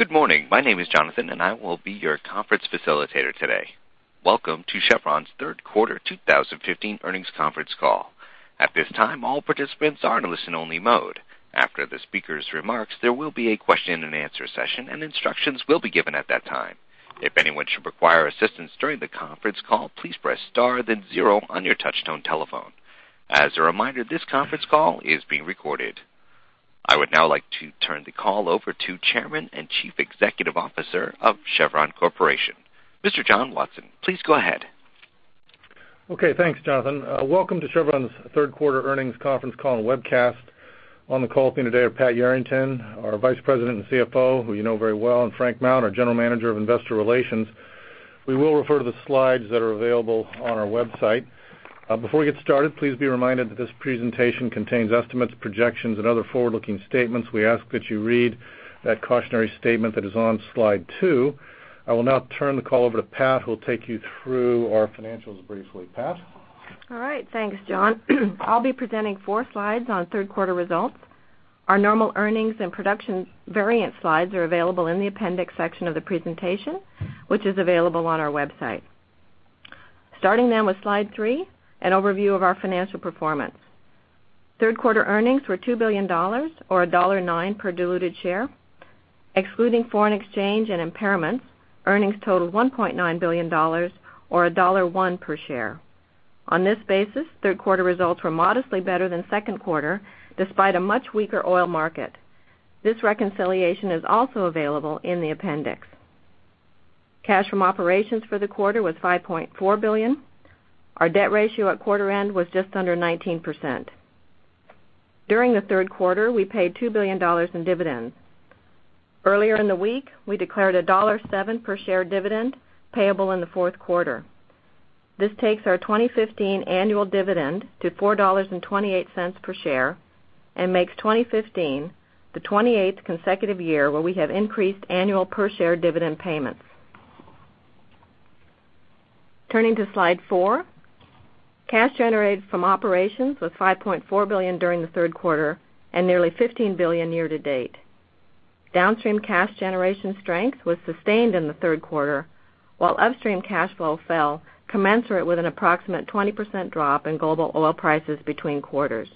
Good morning. My name is Jonathan, and I will be your conference facilitator today. Welcome to Chevron's third quarter 2015 earnings conference call. At this time, all participants are in listen-only mode. After the speakers' remarks, there will be a question-and-answer session, and instructions will be given at that time. If anyone should require assistance during the conference call, please press star then zero on your touchtone telephone. As a reminder, this conference call is being recorded. I would now like to turn the call over to Chairman and Chief Executive Officer of Chevron Corporation, Mr. John Watson. Please go ahead. Okay. Thanks, Jonathan. Welcome to Chevron's third quarter earnings conference call and webcast. On the call with me today are Pat Yarrington, our Vice President and CFO, who you know very well, and Frank Mount, our General Manager of Investor Relations. We will refer to the slides that are available on our website. Before we get started, please be reminded that this presentation contains estimates, projections, and other forward-looking statements. We ask that you read that cautionary statement that is on slide two. I will now turn the call over to Pat, who will take you through our financials briefly. Pat? All right. Thanks, John. I'll be presenting four slides on third-quarter results. Our normal earnings and production variance slides are available in the appendix section of the presentation, which is available on our website. Starting then with Slide three, an overview of our financial performance. Third-quarter earnings were $2 billion, or $1.09 per diluted share. Excluding foreign exchange and impairments, earnings totaled $1.9 billion, or $1.01 per share. On this basis, third-quarter results were modestly better than second quarter, despite a much weaker oil market. This reconciliation is also available in the appendix. Cash from operations for the quarter was $5.4 billion. Our debt ratio at quarter end was just under 19%. During the third quarter, we paid $2 billion in dividends. Earlier in the week, we declared a $1.07 per share dividend payable in the fourth quarter. This takes our 2015 annual dividend to $4.28 per share and makes 2015 the 28th consecutive year where we have increased annual per share dividend payments. Turning to Slide four, cash generated from operations was $5.4 billion during the third quarter and nearly $15 billion year-to-date. Downstream cash generation strength was sustained in the third quarter, while upstream cash flow fell commensurate with an approximate 20% drop in global oil prices between quarters.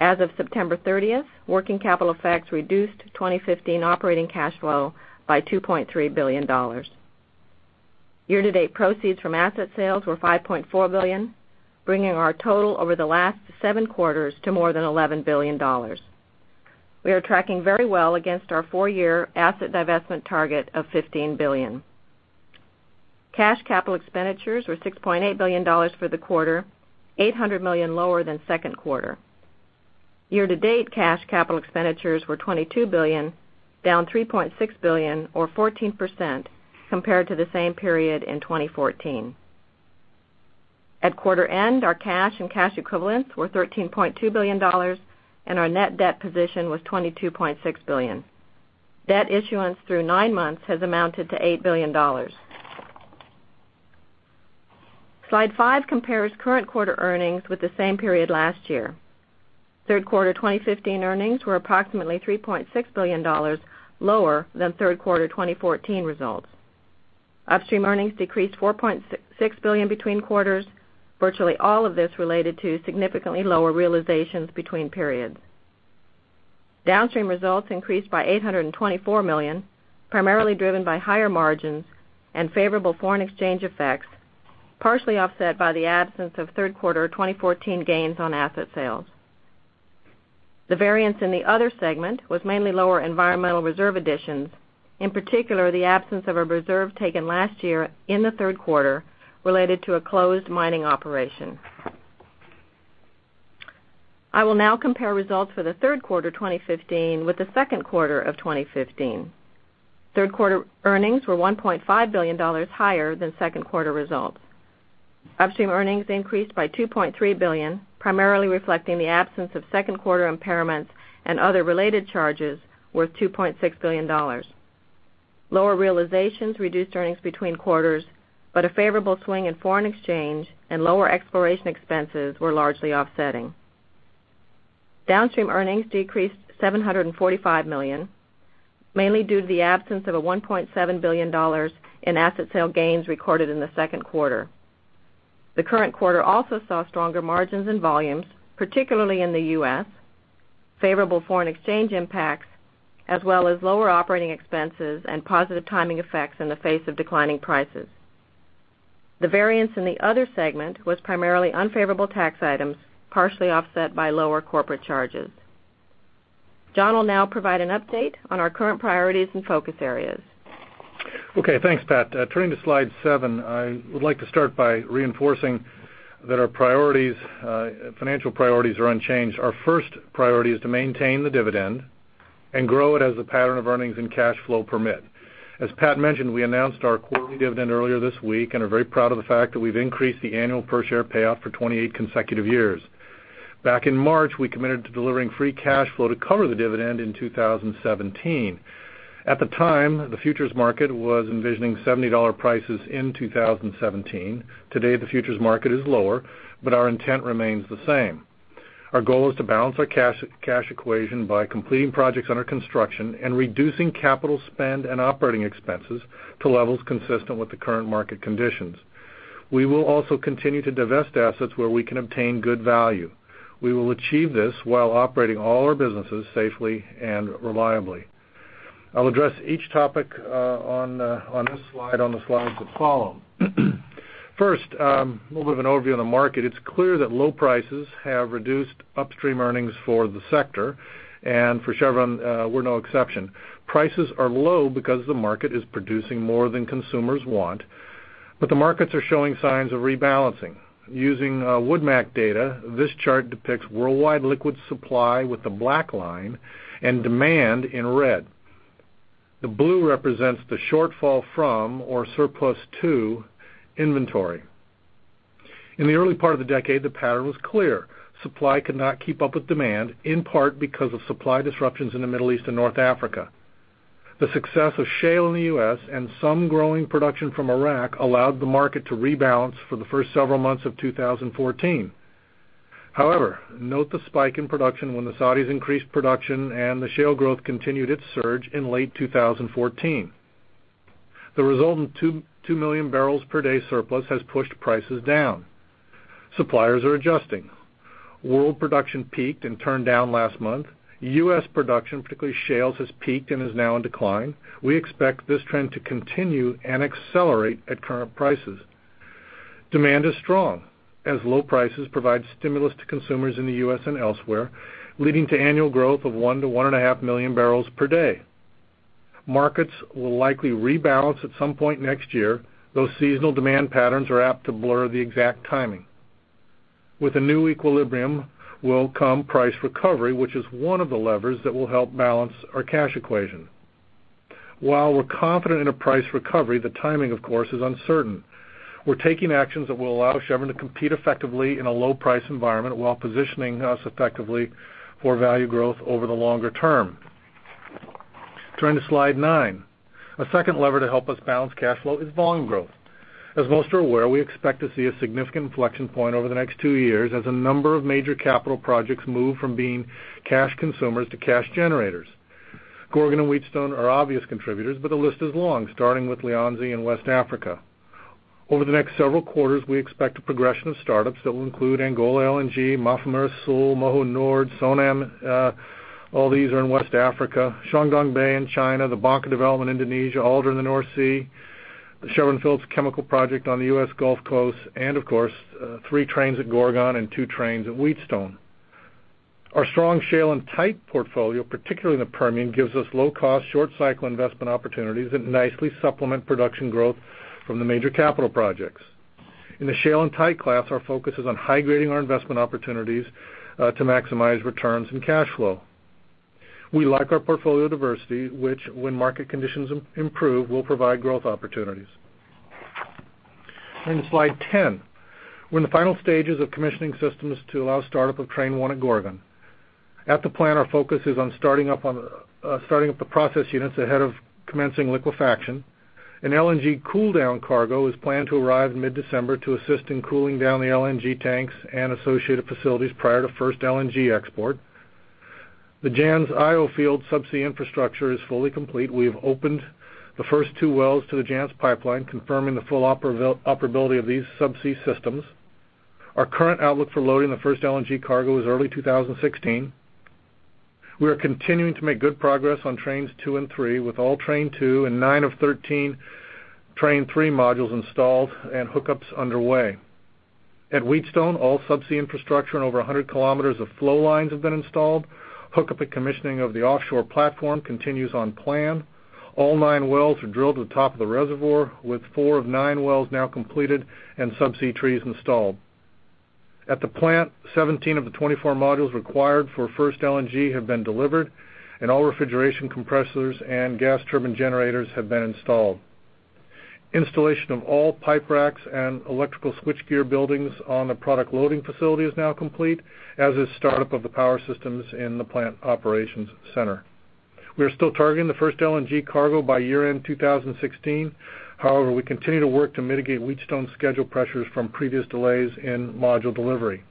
As of September 30th, working capital effects reduced 2015 operating cash flow by $2.3 billion. Year-to-date proceeds from asset sales were $5.4 billion, bringing our total over the last seven quarters to more than $11 billion. We are tracking very well against our four-year asset divestment target of $15 billion. Cash capital expenditures were $6.8 billion for the quarter, $800 million lower than second quarter. Year-to-date cash capital expenditures were $22 billion, down $3.6 billion or 14% compared to the same period in 2014. At quarter end, our cash and cash equivalents were $13.2 billion and our net debt position was $22.6 billion. Debt issuance through nine months has amounted to $8 billion. Slide five compares current quarter earnings with the same period last year. Third quarter 2015 earnings were approximately $3.6 billion lower than third quarter 2014 results. Upstream earnings decreased $4.6 billion between quarters, virtually all of this related to significantly lower realizations between periods. Downstream results increased by $824 million, primarily driven by higher margins and favorable foreign exchange effects, partially offset by the absence of third quarter 2014 gains on asset sales. The variance in the other segment was mainly lower environmental reserve additions, in particular, the absence of a reserve taken last year in the third quarter related to a closed mining operation. I will now compare results for the third quarter 2015 with the second quarter of 2015. Third quarter earnings were $1.5 billion higher than second quarter results. Upstream earnings increased by $2.3 billion, primarily reflecting the absence of second quarter impairments and other related charges worth $2.6 billion. Lower realizations reduced earnings between quarters. A favorable swing in foreign exchange and lower exploration expenses were largely offsetting. Downstream earnings decreased $745 million, mainly due to the absence of a $1.7 billion in asset sale gains recorded in the second quarter. The current quarter also saw stronger margins and volumes, particularly in the U.S., favorable foreign exchange impacts, as well as lower operating expenses and positive timing effects in the face of declining prices. The variance in the other segment was primarily unfavorable tax items, partially offset by lower corporate charges. John will now provide an update on our current priorities and focus areas. Okay, thanks, Pat. Turning to Slide seven, I would like to start by reinforcing that our financial priorities are unchanged. Our first priority is to maintain the dividend and grow it as the pattern of earnings and cash flow permit. As Pat mentioned, we announced our quarterly dividend earlier this week and are very proud of the fact that we've increased the annual per-share payout for 28 consecutive years. Back in March, we committed to delivering free cash flow to cover the dividend in 2017. At the time, the futures market was envisioning $70 prices in 2017. Today, the futures market is lower. Our intent remains the same. Our goal is to balance our cash equation by completing projects under construction and reducing capital spend and operating expenses to levels consistent with the current market conditions. We will also continue to divest assets where we can obtain good value. We will achieve this while operating all our businesses safely and reliably. I'll address each topic on this slide, on the slides that follow. First, a little bit of an overview on the market. It's clear that low prices have reduced upstream earnings for the sector, and for Chevron, we're no exception. Prices are low because the market is producing more than consumers want, but the markets are showing signs of rebalancing. Using WoodMac data, this chart depicts worldwide liquid supply with the black line, and demand in red. The blue represents the shortfall from or surplus to inventory. In the early part of the decade, the pattern was clear. Supply could not keep up with demand, in part because of supply disruptions in the Middle East and North Africa. The success of shale in the U.S. and some growing production from Iraq allowed the market to rebalance for the first several months of 2014. Note the spike in production when the Saudis increased production, and the shale growth continued its surge in late 2014. The result in two million barrels per day surplus has pushed prices down. Suppliers are adjusting. World production peaked and turned down last month. U.S. production, particularly shales, has peaked and is now in decline. We expect this trend to continue and accelerate at current prices. Demand is strong as low prices provide stimulus to consumers in the U.S. and elsewhere, leading to annual growth of one to one and a half million barrels per day. Markets will likely rebalance at some point next year, though seasonal demand patterns are apt to blur the exact timing. With a new equilibrium will come price recovery, which is one of the levers that will help balance our cash equation. While we're confident in a price recovery, the timing, of course, is uncertain. We're taking actions that will allow Chevron to compete effectively in a low price environment while positioning us effectively for value growth over the longer term. Turning to slide nine. A second lever to help us balance cash flow is volume growth. As most are aware, we expect to see a significant inflection point over the next two years as a number of major capital projects move from being cash consumers to cash generators. Gorgon and Wheatstone are obvious contributors, but the list is long, starting with Lianzi in West Africa. Over the next several quarters, we expect a progression of startups that will include Angola LNG, Mafumeira Sul, Moho Nord, Sonam, all these are in West Africa, Chuandongbei in China, the Bangka development in Indonesia, Alder in the North Sea, the Chevron Phillips Chemical project on the U.S. Gulf Coast, and of course, 3 trains at Gorgon and 2 trains at Wheatstone. Our strong shale and tight portfolio, particularly in the Permian, gives us low cost, short cycle investment opportunities that nicely supplement production growth from the major capital projects. In the shale and tight class, our focus is on high-grading our investment opportunities to maximize returns and cash flow. We like our portfolio diversity, which, when market conditions improve, will provide growth opportunities. Turning to slide 10. We're in the final stages of commissioning systems to allow startup of train 1 at Gorgon. At the plant, our focus is on starting up the process units ahead of commencing liquefaction. An LNG cooldown cargo is planned to arrive mid-December to assist in cooling down the LNG tanks and associated facilities prior to first LNG export. The Jansz-Io field subsea infrastructure is fully complete. We have opened the first two wells to the Jansz pipeline, confirming the full operability of these subsea systems. Our current outlook for loading the first LNG cargo is early 2016. We are continuing to make good progress on trains two and three, with all train two and nine of 13 train three modules installed and hookups underway. At Wheatstone, all subsea infrastructure and over 100 kilometers of flow lines have been installed. Hookup and commissioning of the offshore platform continues on plan. All nine wells are drilled to the top of the reservoir, with four of nine wells now completed and subsea trees installed. At the plant, 17 of the 24 modules required for first LNG have been delivered, and all refrigeration compressors and gas turbine generators have been installed. Installation of all pipe racks and electrical switchgear buildings on the product loading facility is now complete, as is startup of the power systems in the plant operations center. We are still targeting the first LNG cargo by year-end 2016. We continue to work to mitigate Wheatstone schedule pressures from previous delays in module delivery.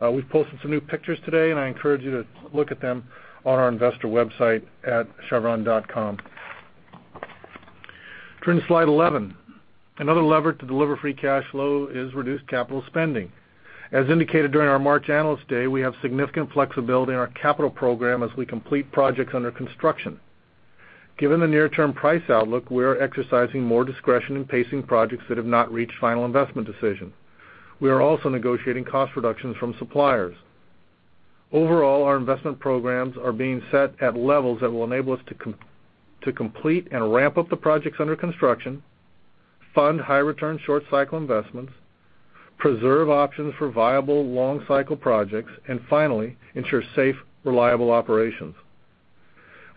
We've posted some new pictures today, and I encourage you to look at them on our investor website at chevron.com. Turning to slide 11. Another lever to deliver free cash flow is reduced capital spending. As indicated during our March Analyst Day, we have significant flexibility in our capital program as we complete projects under construction. Given the near term price outlook, we are exercising more discretion in pacing projects that have not reached Final Investment Decision. We are also negotiating cost reductions from suppliers. Overall, our investment programs are being set at levels that will enable us to complete and ramp up the projects under construction, fund high return short cycle investments, preserve options for viable long cycle projects, and finally, ensure safe, reliable operations.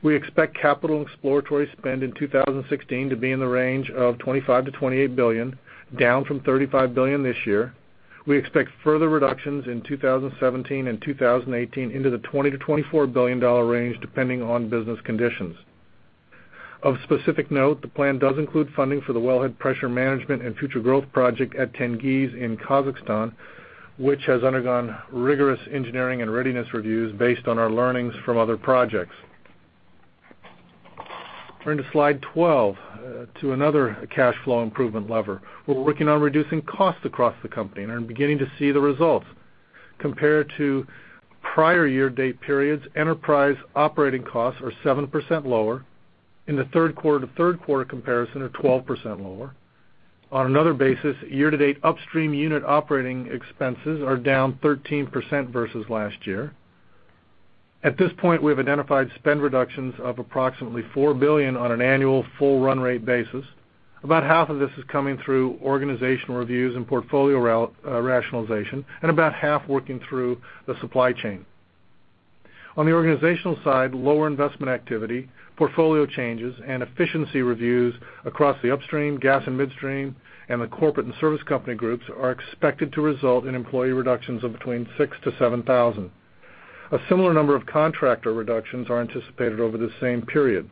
We expect capital exploratory spend in 2016 to be in the range of $25 billion-$28 billion, down from $35 billion this year. We expect further reductions in 2017 and 2018 into the $20 billion-$24 billion range, depending on business conditions. Of specific note, the plan does include funding for the Wellhead Pressure Management and future growth project at Tengiz in Kazakhstan, which has undergone rigorous engineering and readiness reviews based on our learnings from other projects. Turning to slide 12, to another cash flow improvement lever. We're working on reducing costs across the company and are beginning to see the results. Compared to prior year date periods, enterprise operating costs are 7% lower. In the third quarter to third quarter comparison, they're 12% lower. On another basis, year-to-date upstream unit operating expenses are down 13% versus last year. At this point, we have identified spend reductions of approximately $4 billion on an annual full run rate basis. About half of this is coming through organizational reviews and portfolio rationalization, and about half working through the supply chain. On the organizational side, lower investment activity, portfolio changes, and efficiency reviews across the upstream gas and midstream and the corporate and service company groups are expected to result in employee reductions of between 6,000 to 7,000. A similar number of contractor reductions are anticipated over the same period.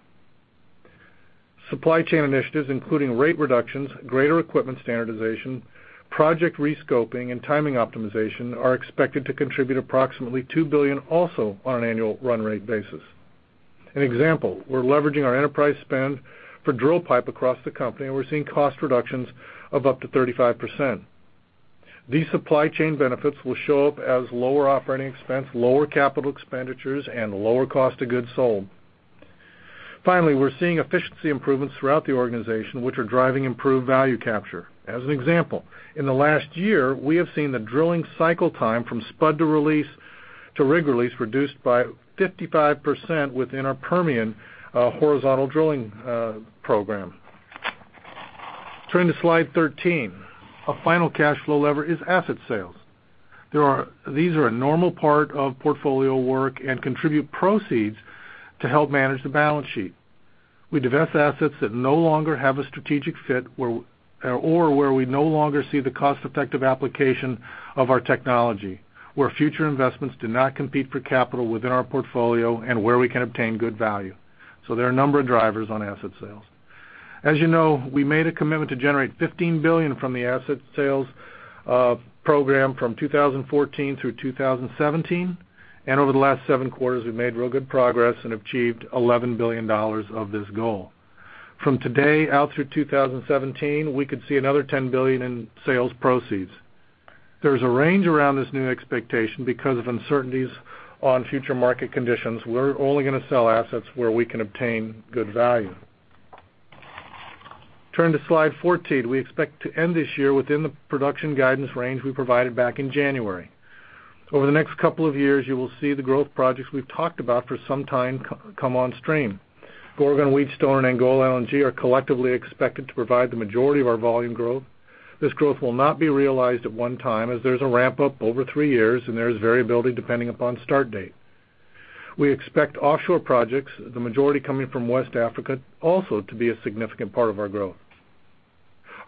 Supply chain initiatives, including rate reductions, greater equipment standardization, project rescoping, and timing optimization, are expected to contribute approximately $2 billion also on an annual run rate basis. An example, we're leveraging our enterprise spend for drill pipe across the company, and we're seeing cost reductions of up to 35%. These supply chain benefits will show up as lower operating expense, lower capital expenditures, and lower cost of goods sold. Finally, we're seeing efficiency improvements throughout the organization, which are driving improved value capture. As an example, in the last year, we have seen the drilling cycle time from spud to rig release reduced by 55% within our Permian horizontal drilling program. Turning to Slide 13. A final cash flow lever is asset sales. These are a normal part of portfolio work and contribute proceeds to help manage the balance sheet. We divest assets that no longer have a strategic fit or where we no longer see the cost-effective application of our technology, where future investments do not compete for capital within our portfolio, and where we can obtain good value. There are a number of drivers on asset sales. As you know, we made a commitment to generate $15 billion from the asset sales program from 2014 through 2017, and over the last seven quarters, we've made real good progress and achieved $11 billion of this goal. From today out through 2017, we could see another $10 billion in sales proceeds. There's a range around this new expectation because of uncertainties on future market conditions. We're only going to sell assets where we can obtain good value. Turning to Slide 14. We expect to end this year within the production guidance range we provided back in January. Over the next couple of years, you will see the growth projects we've talked about for some time come on stream. Gorgon, Wheatstone, and Angola LNG are collectively expected to provide the majority of our volume growth. This growth will not be realized at one time, as there's a ramp-up over three years, and there is variability depending upon start date. We expect offshore projects, the majority coming from West Africa, also to be a significant part of our growth.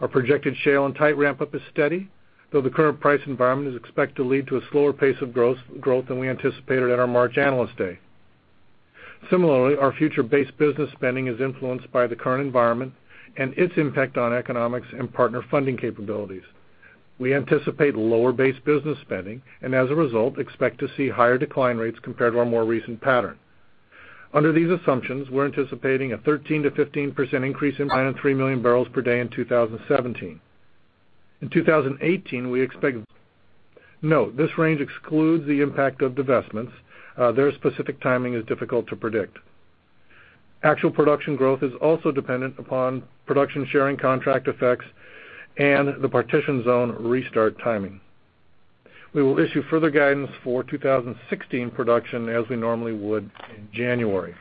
Our projected shale and tight ramp-up is steady, though the current price environment is expected to lead to a slower pace of growth than we anticipated at our March Analyst Day. Similarly, our future base business spending is influenced by the current environment and its impact on economics and partner funding capabilities. We anticipate lower base business spending and, as a result, expect to see higher decline rates compared to our more recent pattern. Under these assumptions, we're anticipating a 13%-15% increase in volume, 3 million barrels per day in 2017. Note, this range excludes the impact of divestments. Their specific timing is difficult to predict. Actual production growth is also dependent upon production sharing contract effects and the partition zone restart timing. We will issue further guidance for 2016 production as we normally would in January.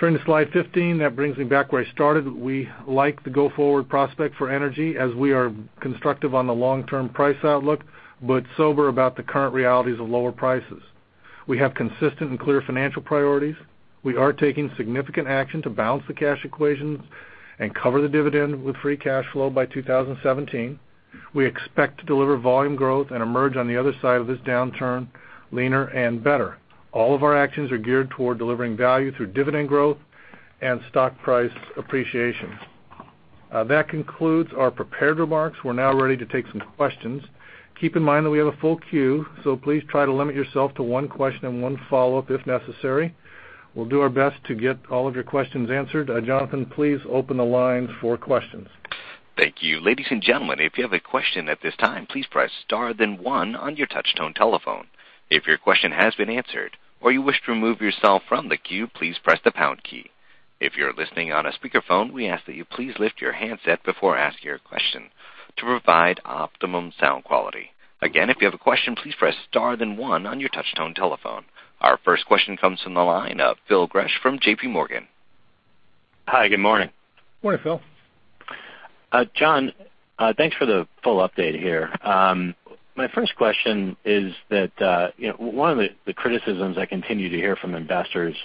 Turning to Slide 15. That brings me back where I started. We like the go-forward prospect for energy as we are constructive on the long-term price outlook, sober about the current realities of lower prices. We have consistent and clear financial priorities. We are taking significant action to balance the cash equations and cover the dividend with free cash flow by 2017. We expect to deliver volume growth and emerge on the other side of this downturn leaner and better. All of our actions are geared toward delivering value through dividend growth and stock price appreciation. That concludes our prepared remarks. We're now ready to take some questions. Keep in mind that we have a full queue, please try to limit yourself to one question and one follow-up if necessary. We'll do our best to get all of your questions answered. Jonathan, please open the lines for questions. Thank you. Ladies and gentlemen, if you have a question at this time, please press star then one on your touch tone telephone. If your question has been answered or you wish to remove yourself from the queue, please press the pound key. If you're listening on a speakerphone, we ask that you please lift your handset before asking your question to provide optimum sound quality. Again, if you have a question, please press star then one on your touch tone telephone. Our first question comes from the line of Phil Gresh from JPMorgan. Hi, good morning. Morning, Phil. John, thanks for the full update here. My first question is that one of the criticisms I continue to hear from investors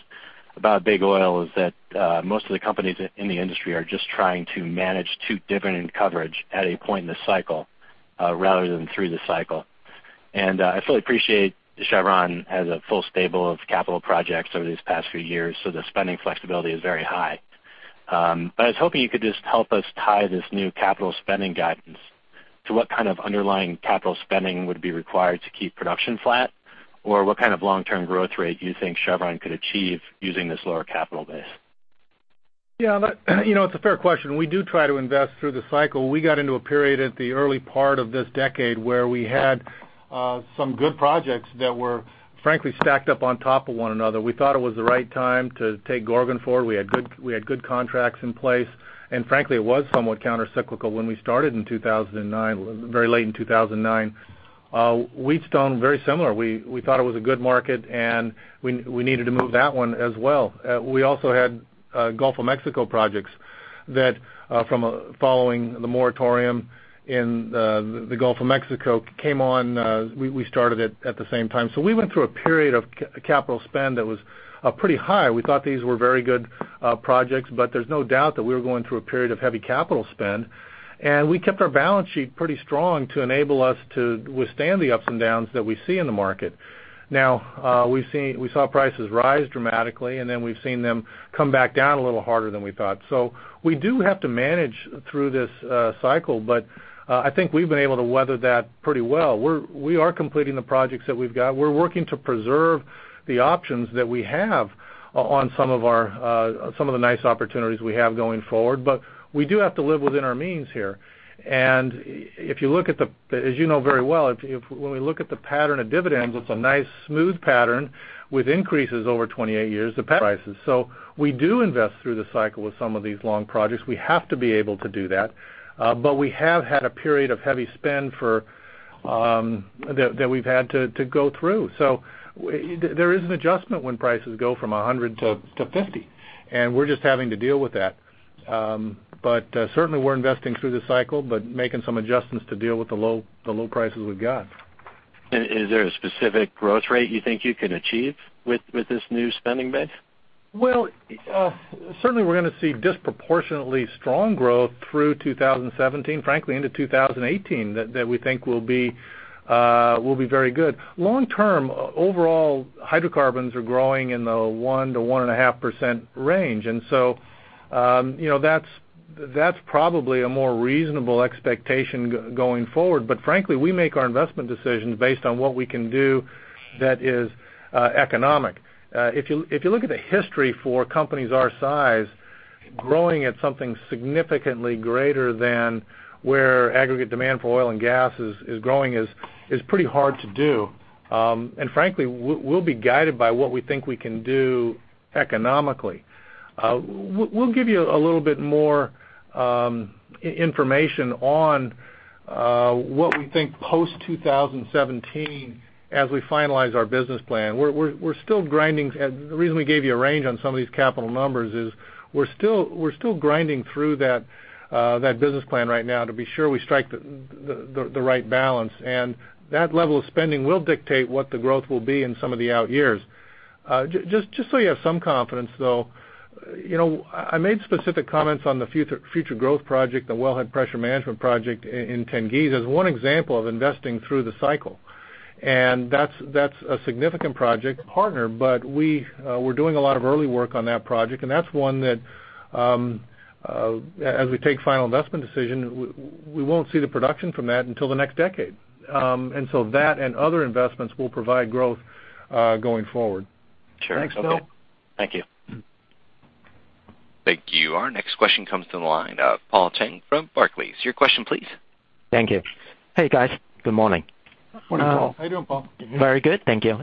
about big oil is that most of the companies in the industry are just trying to manage to dividend coverage at a point in the cycle rather than through the cycle. I fully appreciate Chevron has a full stable of capital projects over these past few years, so the spending flexibility is very high. I was hoping you could just help us tie this new capital spending guidance to what kind of underlying capital spending would be required to keep production flat, or what kind of long-term growth rate you think Chevron could achieve using this lower capital base? Yeah. It's a fair question. We do try to invest through the cycle. We got into a period at the early part of this decade where we had some good projects that were frankly stacked up on top of one another. We thought it was the right time to take Gorgon forward. We had good contracts in place, frankly, it was somewhat countercyclical when we started in 2009, very late in 2009. Wheatstone, very similar. We thought it was a good market and we needed to move that one as well. We also had Gulf of Mexico projects that from following the moratorium in the Gulf of Mexico, we started it at the same time. We went through a period of capital spend that was pretty high. We thought these were very good projects, there's no doubt that we were going through a period of heavy capital spend, we kept our balance sheet pretty strong to enable us to withstand the ups and downs that we see in the market. We saw prices rise dramatically, we've seen them come back down a little harder than we thought. We do have to manage through this cycle, I think we've been able to weather that pretty well. We are completing the projects that we've got. We're working to preserve the options that we have on some of the nice opportunities we have going forward, we do have to live within our means here. As you know very well, when we look at the pattern of dividends, it's a nice smooth pattern with increases over 28 years, the prices. We do invest through the cycle with some of these long projects. We have to be able to do that. We have had a period of heavy spend that we've had to go through. There is an adjustment when prices go from 100 to 50, we're just having to deal with that. Certainly, we're investing through the cycle, making some adjustments to deal with the low prices we've got. Is there a specific growth rate you think you can achieve with this new spending base? Well, certainly we're going to see disproportionately strong growth through 2017, frankly into 2018, that we think will be very good. Long term, overall hydrocarbons are growing in the 1%-1.5% range, and so that's probably a more reasonable expectation going forward. Frankly, we make our investment decisions based on what we can do that is economic. If you look at the history for companies our size, growing at something significantly greater than where aggregate demand for oil and gas is growing is pretty hard to do. Frankly, we'll be guided by what we think we can do economically. We'll give you a little bit more information on what we think post 2017 as we finalize our business plan. The reason we gave you a range on some of these capital numbers is we're still grinding through that business plan right now to be sure we strike the right balance, and that level of spending will dictate what the growth will be in some of the out years. Just so you have some confidence, though, I made specific comments on the future growth project, the Wellhead Pressure Management Project in Tengiz, as one example of investing through the cycle. That's a significant project partner, but we're doing a lot of early work on that project, and that's one that as we take Final Investment Decision, we won't see the production from that until the next decade. That and other investments will provide growth going forward. Sure. Okay. Thanks, Phil. Thank you. Thank you. Our next question comes to the line of Paul Cheng from Barclays. Your question, please. Thank you. Hey, guys. Good morning. Morning, Paul. How you doing, Paul? Very good, thank you.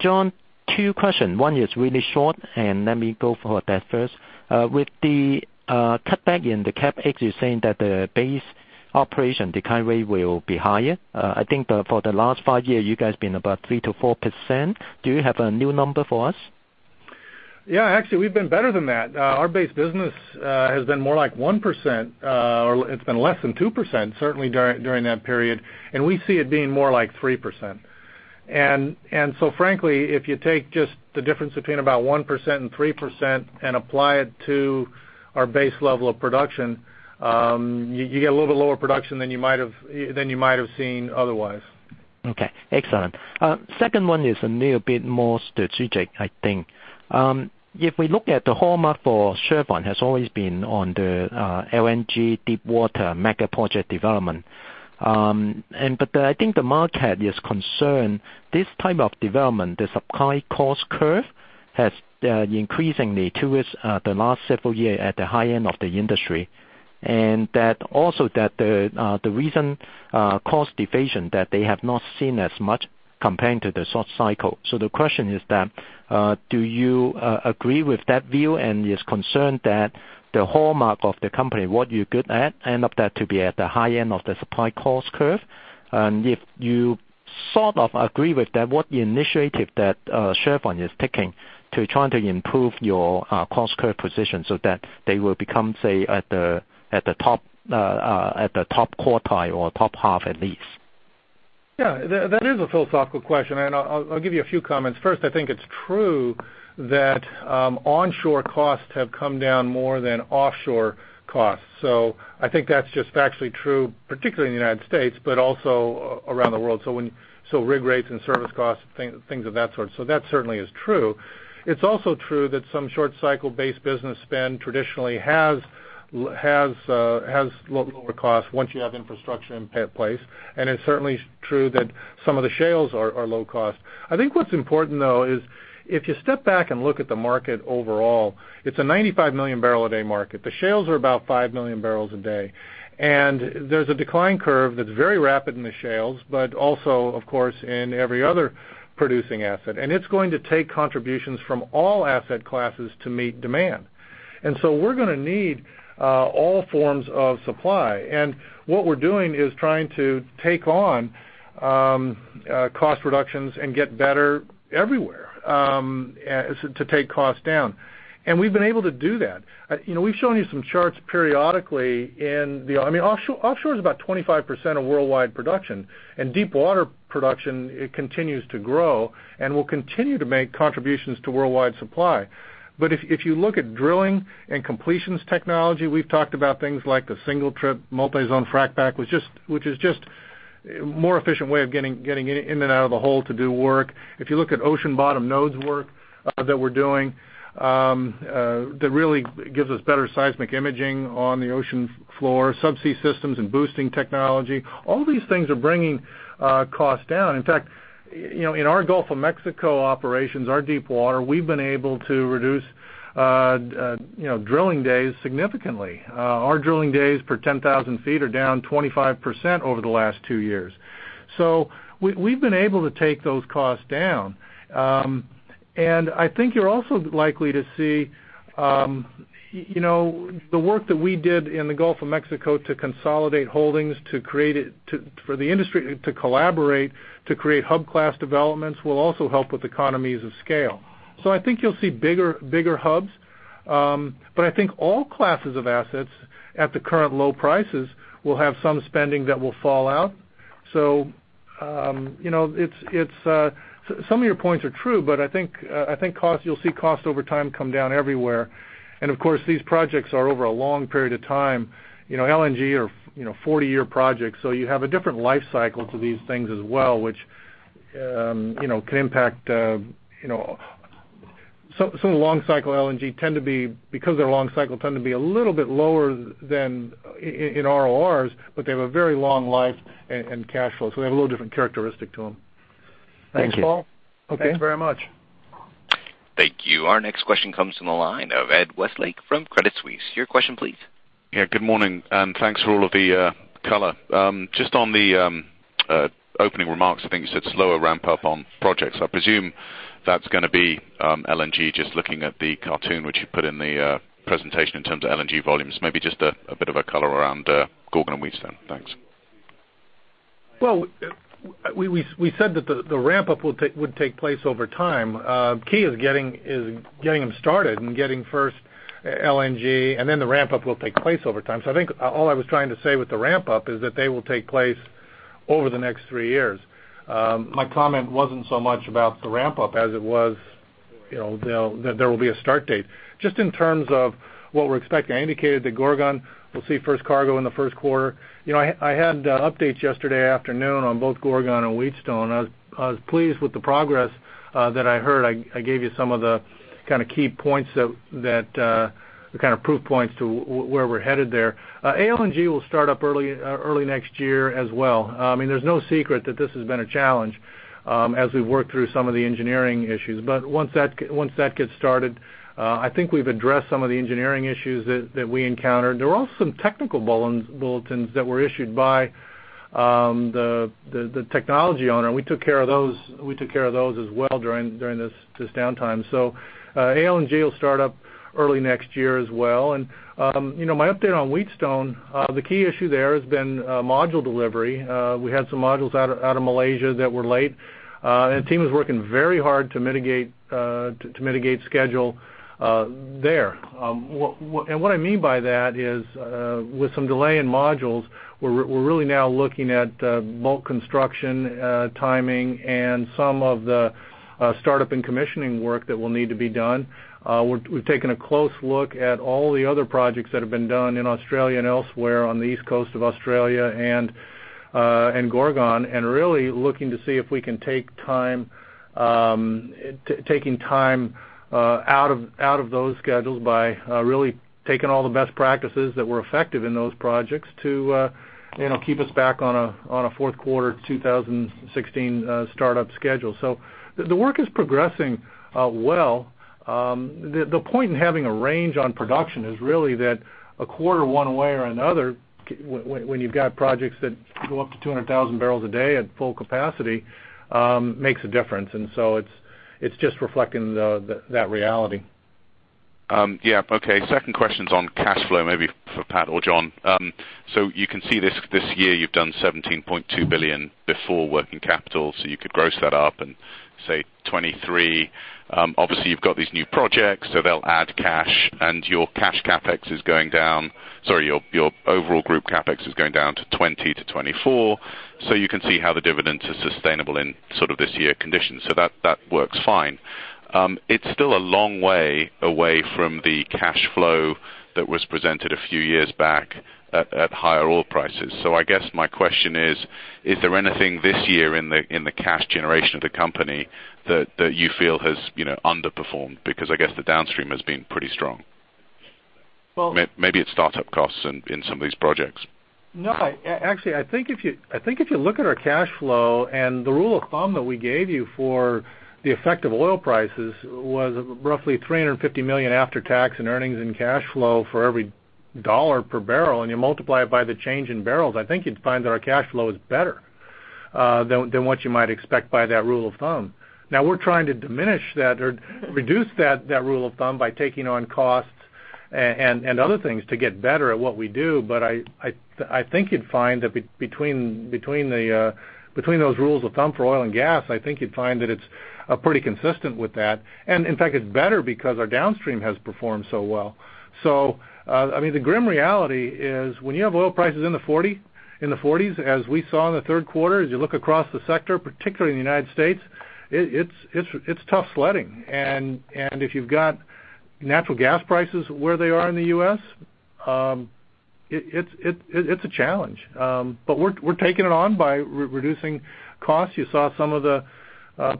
John, two question. One is really short. Let me go for that first. With the cutback in the CapEx, you're saying that the base operation decline rate will be higher? I think for the last five year, you guys been about 3%-4%. Do you have a new number for us? Yeah. Actually, we've been better than that. Our base business has been more like 1%, or it's been less than 2%, certainly during that period. We see it being more like 3%. Frankly, if you take just the difference between about 1% and 3% and apply it to our base level of production, you get a little bit lower production than you might have seen otherwise. Okay. Excellent. Second one is a little bit more strategic, I think. If we look at the hallmark for Chevron has always been on the LNG deep water mega project development. I think the market is concerned this type of development, the supply cost curve has increasingly towards the last several year at the high end of the industry, and that also that the recent cost deflation that they have not seen as much comparing to the soft cycle. The question is that, do you agree with that view and is concerned that the hallmark of the company, what you're good at, end up that to be at the high end of the supply cost curve? If you sort of agree with that, what initiative that Chevron is taking to trying to improve your cost curve position so that they will become, say, at the top quartile or top half at least? Yeah, that is a philosophical question, and I'll give you a few comments. First, I think it's true that onshore costs have come down more than offshore costs. I think that's just factually true, particularly in the U.S., but also around the world. Rig rates and service costs, things of that sort. That certainly is true. It's also true that some short cycle based business spend traditionally has lower costs once you have infrastructure in place, and it's certainly true that some of the shales are low cost. I think what's important though is if you step back and look at the market overall, it's a 95 million barrel a day market. The shales are about 5 million barrels a day, and there's a decline curve that's very rapid in the shales, but also, of course, in every other producing asset. It's going to take contributions from all asset classes to meet demand. We're going to need all forms of supply. What we're doing is trying to take on cost reductions and get better everywhere to take costs down. We've been able to do that. We've shown you some charts periodically in the-- Offshore is about 25% of worldwide production, and deep water production, it continues to grow and will continue to make contributions to worldwide supply. If you look at drilling and completions technology, we've talked about things like the single trip multi-zone frac pack, which is just a more efficient way of getting in and out of the hole to do work. If you look at ocean bottom nodes work that we're doing that really gives us better seismic imaging on the ocean floor, subsea systems and boosting technology, all these things are bringing costs down. In fact, in our Gulf of Mexico operations, our deep water, we've been able to reduce drilling days significantly. Our drilling days per 10,000 feet are down 25% over the last two years. We've been able to take those costs down. I think you're also likely to see the work that we did in the Gulf of Mexico to consolidate holdings, for the industry to collaborate, to create hub class developments will also help with economies of scale. I think you'll see bigger hubs. I think all classes of assets at the current low prices will have some spending that will fall out. Some of your points are true, but I think you'll see cost over time come down everywhere. Of course, these projects are over a long period of time. LNG are 40-year projects, so you have a different life cycle to these things as well, which can impact. Some of the long cycle LNG, because they're long cycle, tend to be a little bit lower than in RORs, but they have a very long life and cash flow. They have a little different characteristic to them. Thank you. Thanks, Paul. Okay. Thanks very much. Thank you. Our next question comes from the line of Ed Westlake from Credit Suisse. Your question, please. Yeah, good morning, thanks for all of the color. Just on the opening remarks, I think you said slower ramp up on projects. I presume that's going to be LNG, just looking at the cartoon which you put in the presentation in terms of LNG volumes, maybe just a bit of a color around Gorgon and Wheatstone. Thanks. Well, we said that the ramp up would take place over time. Key is getting them started and getting first LNG, the ramp up will take place over time. I think all I was trying to say with the ramp up is that they will take place over the next three years. My comment wasn't so much about the ramp up as it was that there will be a start date. Just in terms of what we're expecting, I indicated that Gorgon will see first cargo in the first quarter. I had updates yesterday afternoon on both Gorgon and Wheatstone. I was pleased with the progress that I heard. I gave you some of the kind of proof points to where we're headed there. ALNG will start up early next year as well. There's no secret that this has been a challenge as we've worked through some of the engineering issues. Once that gets started, I think we've addressed some of the engineering issues that we encountered. There were also some technical bulletins that were issued by the technology owner, we took care of those as well during this downtime. ALNG will start up early next year as well. My update on Wheatstone, the key issue there has been module delivery. We had some modules out of Malaysia that were late, the team is working very hard to mitigate schedule there. What I mean by that is with some delay in modules, we're really now looking at bulk construction timing and some of the startup and commissioning work that will need to be done. We've taken a close look at all the other projects that have been done in Australia and elsewhere on the east coast of Australia and Gorgon, really looking to see if we can take time out of those schedules by really taking all the best practices that were effective in those projects to keep us back on a fourth quarter 2016 startup schedule. The work is progressing well. The point in having a range on production is really that a quarter one way or another, when you've got projects that go up to 200,000 barrels a day at full capacity makes a difference. It's just reflecting that reality. Yeah. Okay. Second question's on cash flow, maybe for Pat or John. You can see this year you've done $17.2 billion before working capital, you could gross that up and say $23 billion. You've got these new projects, they'll add cash and your cash CapEx is going down. Sorry, your overall group CapEx is going down to $20 billion to $24 billion. You can see how the dividends are sustainable in sort of this year conditions. That works fine. It's still a long way away from the cash flow that was presented a few years back at higher oil prices. I guess my question is there anything this year in the cash generation of the company that you feel has underperformed? I guess the downstream has been pretty strong. Well- Maybe it's startup costs in some of these projects. No. Actually, I think if you look at our cash flow and the rule of thumb that we gave you for the effect of oil prices was roughly $350 million after-tax and earnings and cash flow for every $1 per barrel, you multiply it by the change in barrels, I think you'd find that our cash flow is better than what you might expect by that rule of thumb. Now we're trying to diminish that or reduce that rule of thumb by taking on costs and other things to get better at what we do, I think you'd find that between those rules of thumb for oil and gas, I think you'd find that it's pretty consistent with that. In fact, it's better because our downstream has performed so well. The grim reality is when you have oil prices in the 40s, as we saw in the third quarter, as you look across the sector, particularly in the U.S., it's tough sledding. If you've got natural gas prices where they are in the U.S., it's a challenge. We're taking it on by reducing costs. You saw some of the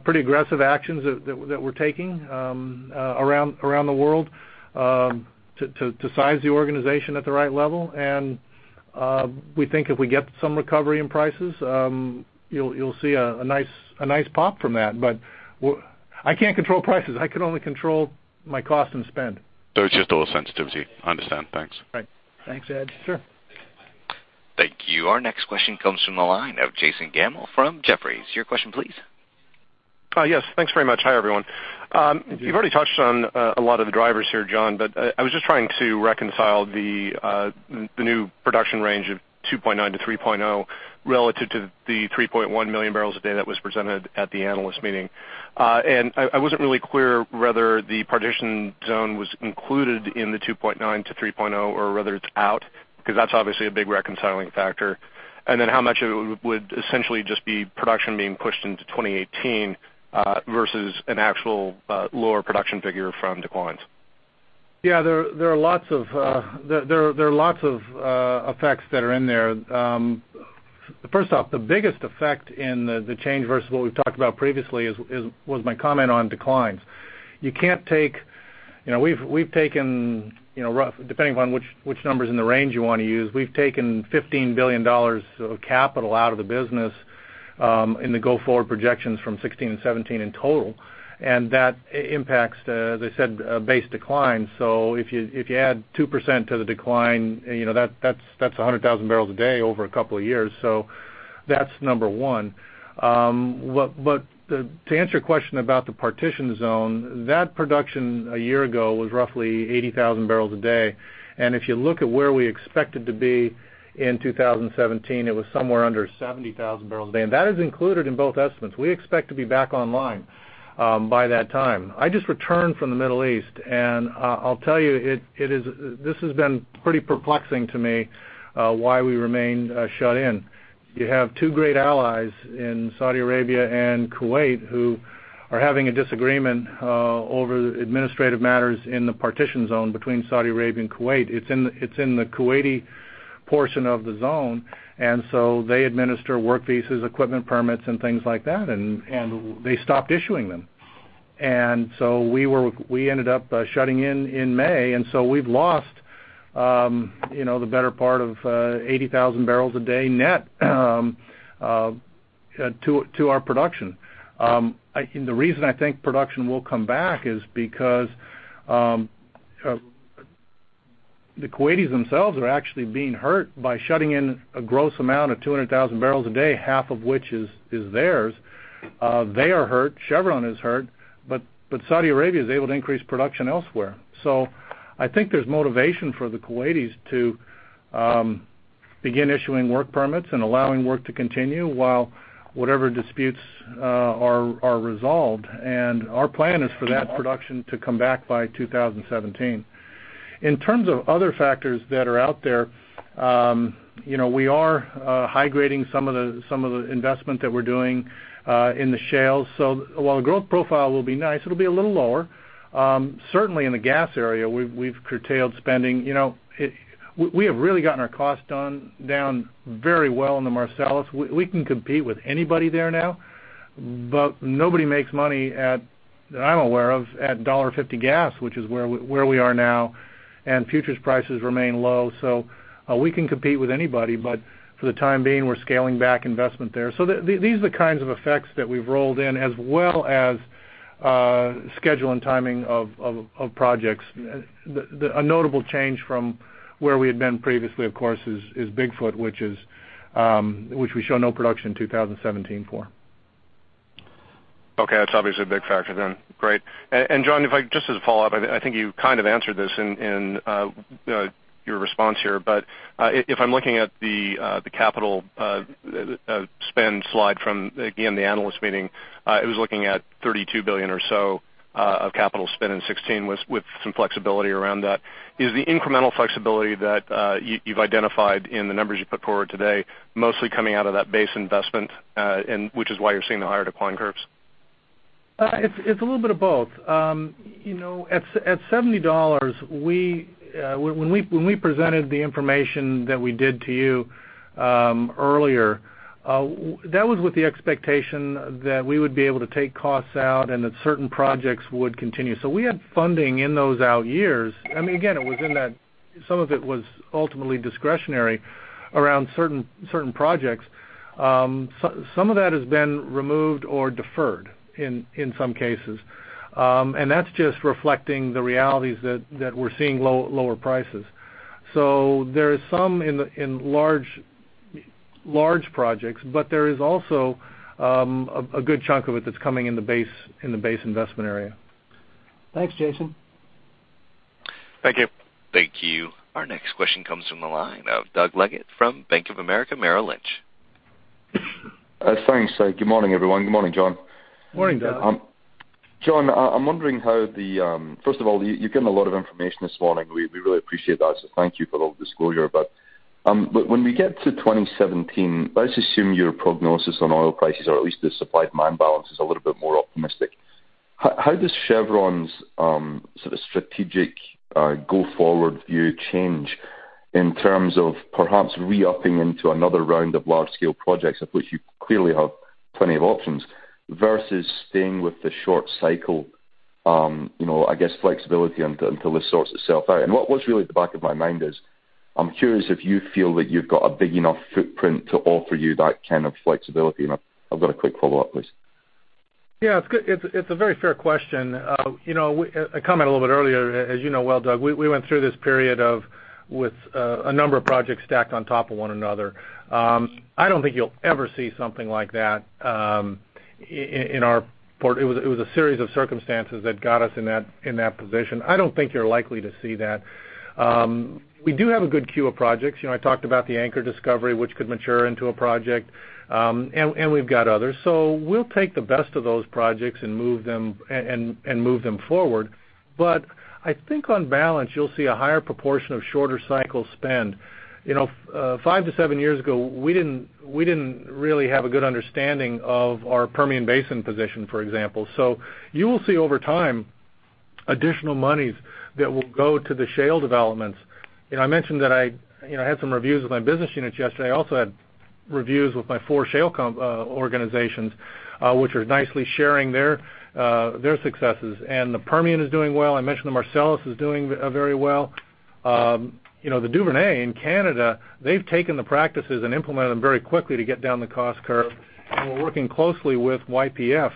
pretty aggressive actions that we're taking around the world to size the organization at the right level, we think if we get some recovery in prices, you'll see a nice pop from that, but I can't control prices. I can only control my cost and spend. It's just oil sensitivity. I understand. Thanks. Right. Thanks, Ed. Sure. Thank you. Our next question comes from the line of Jason Gammel from Jefferies. Your question please. Yes, thanks very much. Hi, everyone. You've already touched on a lot of the drivers here, John, but I was just trying to reconcile the new production range of 2.9-3.0 relative to the 3.1 million barrels a day that was presented at the analyst meeting. I wasn't really clear whether the partition zone was included in the 2.9-3.0 or whether it's out, because that's obviously a big reconciling factor. How much of it would essentially just be production being pushed into 2018 versus an actual lower production figure from declines? Yeah, there are lots of effects that are in there. First off, the biggest effect in the change versus what we've talked about previously was my comment on declines. Depending on which numbers in the range you want to use, we've taken $15 billion of capital out of the business in the go-forward projections from 2016 and 2017 in total, and that impacts as I said base decline. If you add 2% to the decline, that's 100,000 barrels a day over a couple of years. That's number one. To answer your question about the partition zone, that production a year ago was roughly 80,000 barrels a day, and if you look at where we expected to be in 2017, it was somewhere under 70,000 barrels a day, and that is included in both estimates. We expect to be back online by that time. I just returned from the Middle East, and I'll tell you, this has been pretty perplexing to me why we remain shut in. You have two great allies in Saudi Arabia and Kuwait who are having a disagreement over administrative matters in the partition zone between Saudi Arabia and Kuwait. It's in the Kuwaiti portion of the zone, they administer work visas, equipment permits, and things like that, and they stopped issuing them. We ended up shutting in in May, we've lost the better part of 80,000 barrels a day net to our production. The reason I think production will come back is because the Kuwaitis themselves are actually being hurt by shutting in a gross amount of 200,000 barrels a day, half of which is theirs. They are hurt. Chevron is hurt. Saudi Arabia is able to increase production elsewhere. I think there's motivation for the Kuwaitis to begin issuing work permits and allowing work to continue while whatever disputes are resolved. Our plan is for that production to come back by 2017. In terms of other factors that are out there, we are high-grading some of the investment that we're doing in the shales. While the growth profile will be nice, it'll be a little lower. Certainly in the gas area, we've curtailed spending. We have really gotten our costs down very well in the Marcellus. We can compete with anybody there now, but nobody makes money, that I'm aware of, at $1.50 gas, which is where we are now, and futures prices remain low. We can compete with anybody, but for the time being, we're scaling back investment there. These are the kinds of effects that we've rolled in as well as schedule and timing of projects. A notable change from where we had been previously, of course, is Bigfoot, which we show no production in 2017 for. Okay. That's obviously a big factor then. Great. John, just as a follow-up, I think you kind of answered this in your response here, but if I'm looking at the capital spend slide from, again, the analyst meeting, I was looking at $32 billion or so of capital spend in 2016 with some flexibility around that. Is the incremental flexibility that you've identified in the numbers you put forward today mostly coming out of that base investment, which is why you're seeing the higher decline curves? It's a little bit of both. At $70, when we presented the information that we did to you earlier, that was with the expectation that we would be able to take costs out and that certain projects would continue. We had funding in those out years. Again, some of it was ultimately discretionary around certain projects. Some of that has been removed or deferred, in some cases. That's just reflecting the realities that we're seeing lower prices. There is some in large projects, but there is also a good chunk of it that's coming in the base investment area. Thanks, Jason. Thank you. Thank you. Our next question comes from the line of Doug Leggate from Bank of America Merrill Lynch. Thanks. Good morning, everyone. Good morning, John. Morning, Doug. John, first of all, you've given a lot of information this morning. We really appreciate that, thank you for all the disclosure. When we get to 2017, let's assume your prognosis on oil prices, or at least the supply-demand balance is a little bit more optimistic. How does Chevron's sort of strategic go forward view change in terms of perhaps re-upping into another round of large-scale projects, of which you clearly have plenty of options, versus staying with the short cycle, I guess, flexibility until this sorts itself out? What's really at the back of my mind is I'm curious if you feel that you've got a big enough footprint to offer you that kind of flexibility. I've got a quick follow-up, please. Yeah, it's a very fair question. I comment a little bit earlier, as you know well, Doug, we went through this period with a number of projects stacked on top of one another. I don't think you'll ever see something like that in our portfolio. It was a series of circumstances that got us in that position. I don't think you're likely to see that. We do have a good queue of projects. I talked about the Anchor discovery, which could mature into a project, we've got others. We'll take the best of those projects and move them forward. I think on balance, you'll see a higher proportion of shorter cycle spend. Five to seven years ago, we didn't really have a good understanding of our Permian Basin position, for example. You will see over time additional monies that will go to the shale developments. I mentioned that I had some reviews with my business units yesterday. I also had reviews with my four shale organizations, which are nicely sharing their successes. The Permian is doing well. I mentioned the Marcellus is doing very well. The Duvernay in Canada, they've taken the practices and implemented them very quickly to get down the cost curve, we're working closely with YPF,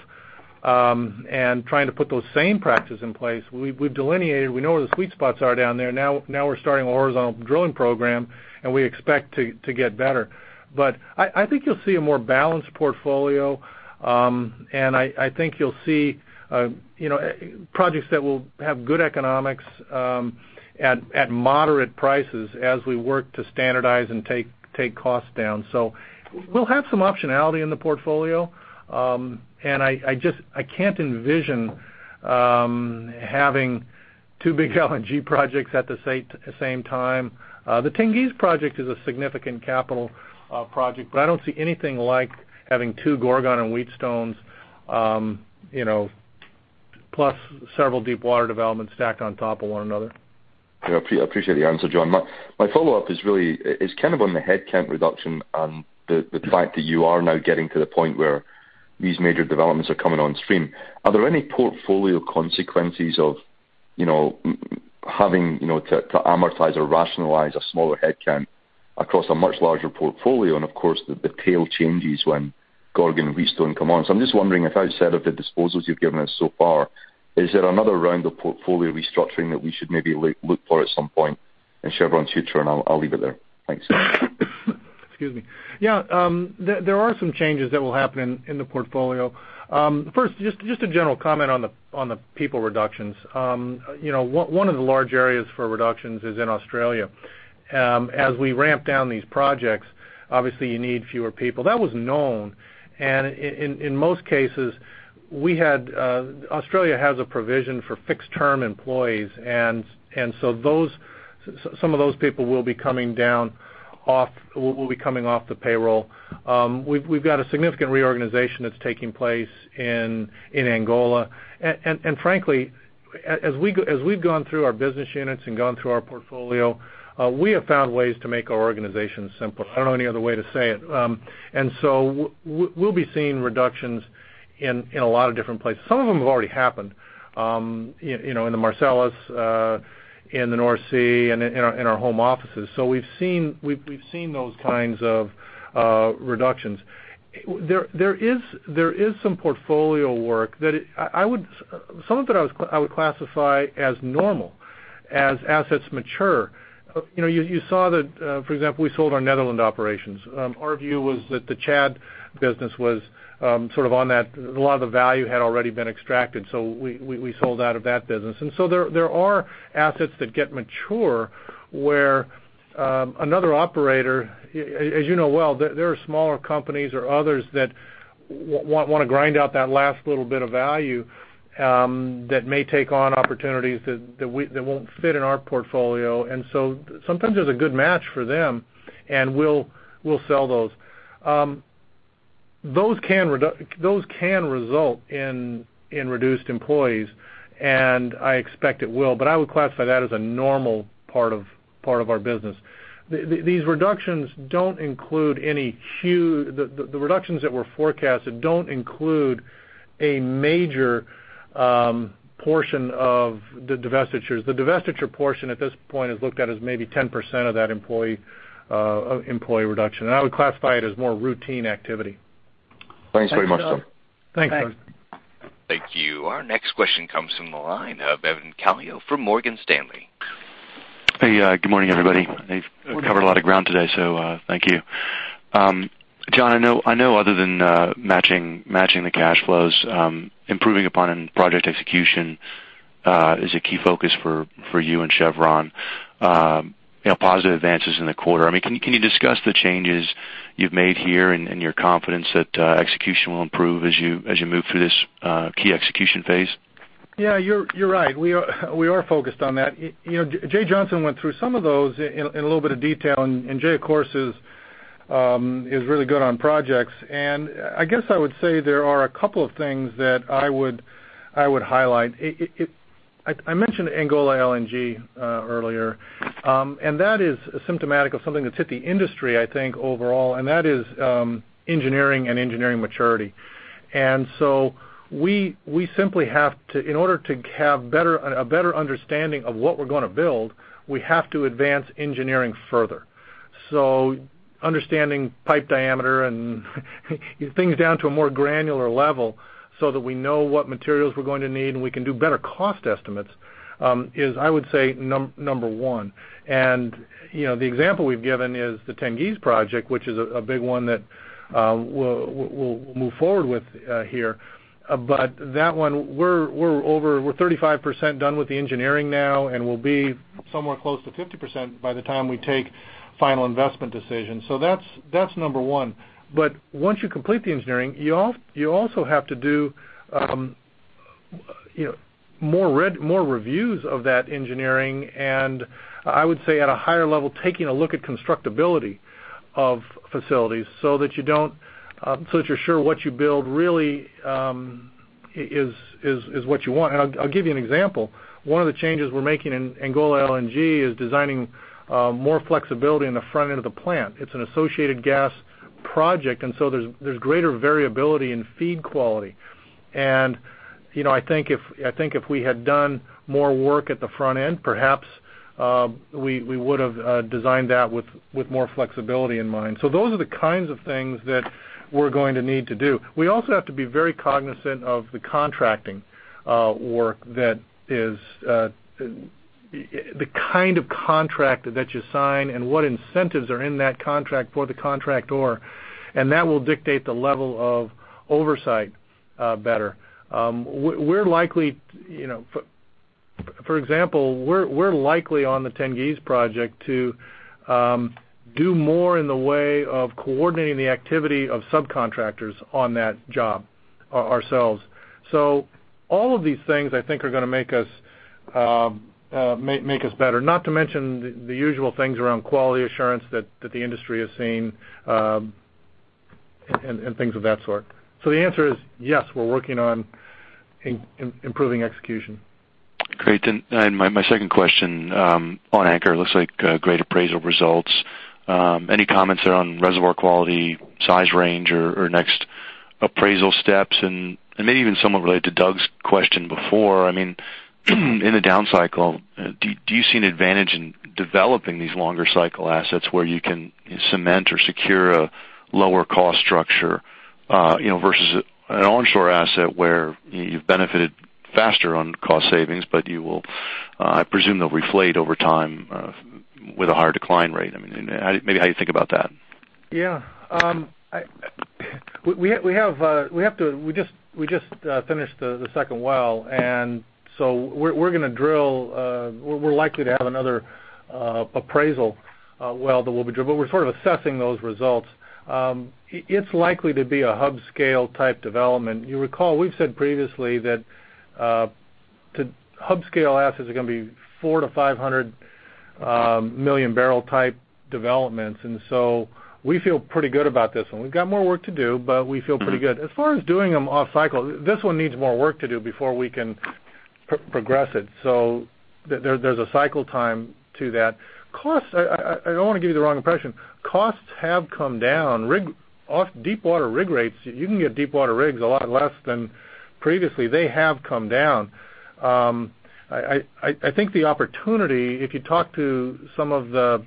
trying to put those same practices in place. We've delineated. We know where the sweet spots are down there. We're starting a horizontal drilling program, we expect to get better. I think you'll see a more balanced portfolio, I think you'll see projects that will have good economics at moderate prices as we work to standardize and take costs down. We'll have some optionality in the portfolio. I can't envision having two big LNG projects at the same time. The Tengiz project is a significant capital project, I don't see anything like having two Gorgon and Wheatstones, plus several deepwater developments stacked on top of one another. I appreciate the answer, John. My follow-up is kind of on the headcount reduction and the fact that you are now getting to the point where these major developments are coming on stream. Are there any portfolio consequences of having to amortize or rationalize a smaller headcount across a much larger portfolio? Of course, the tail changes when Gorgon and Wheatstone come on. I'm just wondering if outside of the disposals you've given us so far, is there another round of portfolio restructuring that we should maybe look for at some point in Chevron's future, and I'll leave it there. Thanks. Excuse me. There are some changes that will happen in the portfolio. First, just a general comment on the people reductions. One of the large areas for reductions is in Australia. As we ramp down these projects, obviously you need fewer people. That was known, and in most cases, Australia has a provision for fixed-term employees, and some of those people will be coming off the payroll. We've got a significant reorganization that's taking place in Angola. Frankly, as we've gone through our business units and gone through our portfolio, we have found ways to make our organization simpler. I don't know any other way to say it. We'll be seeing reductions in a lot of different places. Some of them have already happened, in the Marcellus, in the North Sea, and in our home offices. We've seen those kinds of reductions. There is some portfolio work that some of it I would classify as normal as assets mature. You saw that, for example, we sold our Netherlands operations. Our view was that the Chad business was sort of on that a lot of the value had already been extracted. We sold out of that business. There are assets that get mature where another operator, as you know well, there are smaller companies or others that want to grind out that last little bit of value That may take on opportunities that won't fit in our portfolio. Sometimes there's a good match for them, and we'll sell those. Those can result in reduced employees, and I expect it will. I would classify that as a normal part of our business. The reductions that were forecasted don't include a major portion of the divestitures. The divestiture portion at this point is looked at as maybe 10% of that employee reduction. I would classify it as more routine activity. Thanks very much, sir. Thanks, Doug. Thanks. Thank you. Our next question comes from the line of Evan Calio from Morgan Stanley. Hey, good morning, everybody. Good morning. You've covered a lot of ground today. Thank you. John, I know other than matching the cash flows, improving upon project execution is a key focus for you and Chevron. Positive advances in the quarter. Can you discuss the changes you've made here and your confidence that execution will improve as you move through this key execution phase? You're right. We are focused on that. Jay Johnson went through some of those in a little bit of detail, Jay, of course, is really good on projects. I guess I would say there are a couple of things that I would highlight. I mentioned Angola LNG earlier, and that is symptomatic of something that's hit the industry, I think, overall. That is engineering and engineering maturity. We simply have to, in order to have a better understanding of what we're going to build, we have to advance engineering further. Understanding pipe diameter and things down to a more granular level so that we know what materials we're going to need, and we can do better cost estimates, is, I would say, number one. The example we've given is the Tengiz Project, which is a big one that we'll move forward with here. That one, we're 35% done with the engineering now, and we'll be somewhere close to 50% by the time we take final investment decisions. That's number one. Once you complete the engineering, you also have to do more reviews of that engineering. I would say at a higher level, taking a look at constructability of facilities so that you're sure what you build really is what you want. I'll give you an example. One of the changes we're making in Angola LNG is designing more flexibility in the front end of the plant. It's an associated gas project, there's greater variability in feed quality. I think if we had done more work at the front end, perhaps we would have designed that with more flexibility in mind. Those are the kinds of things that we're going to need to do. We also have to be very cognizant of the contracting work that is the kind of contract that you sign and what incentives are in that contract for the contractor, and that will dictate the level of oversight better. For example, we're likely on the Tengiz project to do more in the way of coordinating the activity of subcontractors on that job ourselves. All of these things, I think, are going to make us better, not to mention the usual things around quality assurance that the industry has seen and things of that sort. The answer is, yes, we're working on improving execution. Great. My second question on Anchor, it looks like great appraisal results. Any comments around reservoir quality, size range or next appraisal steps and maybe even somewhat related to Doug's question before? In the down cycle, do you see an advantage in developing these longer cycle assets where you can cement or secure a lower cost structure versus an onshore asset where you've benefited faster on cost savings, but you will, I presume, they'll reflate over time with a higher decline rate? Maybe how you think about that? Yeah. We just finished the second well, we're likely to have another appraisal well that will be drilled. We're sort of assessing those results. It's likely to be a hub scale type development. You recall, we've said previously that hub scale assets are going to be 400 million-500 million barrel type developments, and we feel pretty good about this one. We've got more work to do, but we feel pretty good. As far as doing them off cycle, this one needs more work to do before we can progress it. There's a cycle time to that. Costs, I don't want to give you the wrong impression. Costs have come down. Deep water rig rates, you can get deep water rigs a lot less than previously. They have come down. I think the opportunity, if you talk to some of the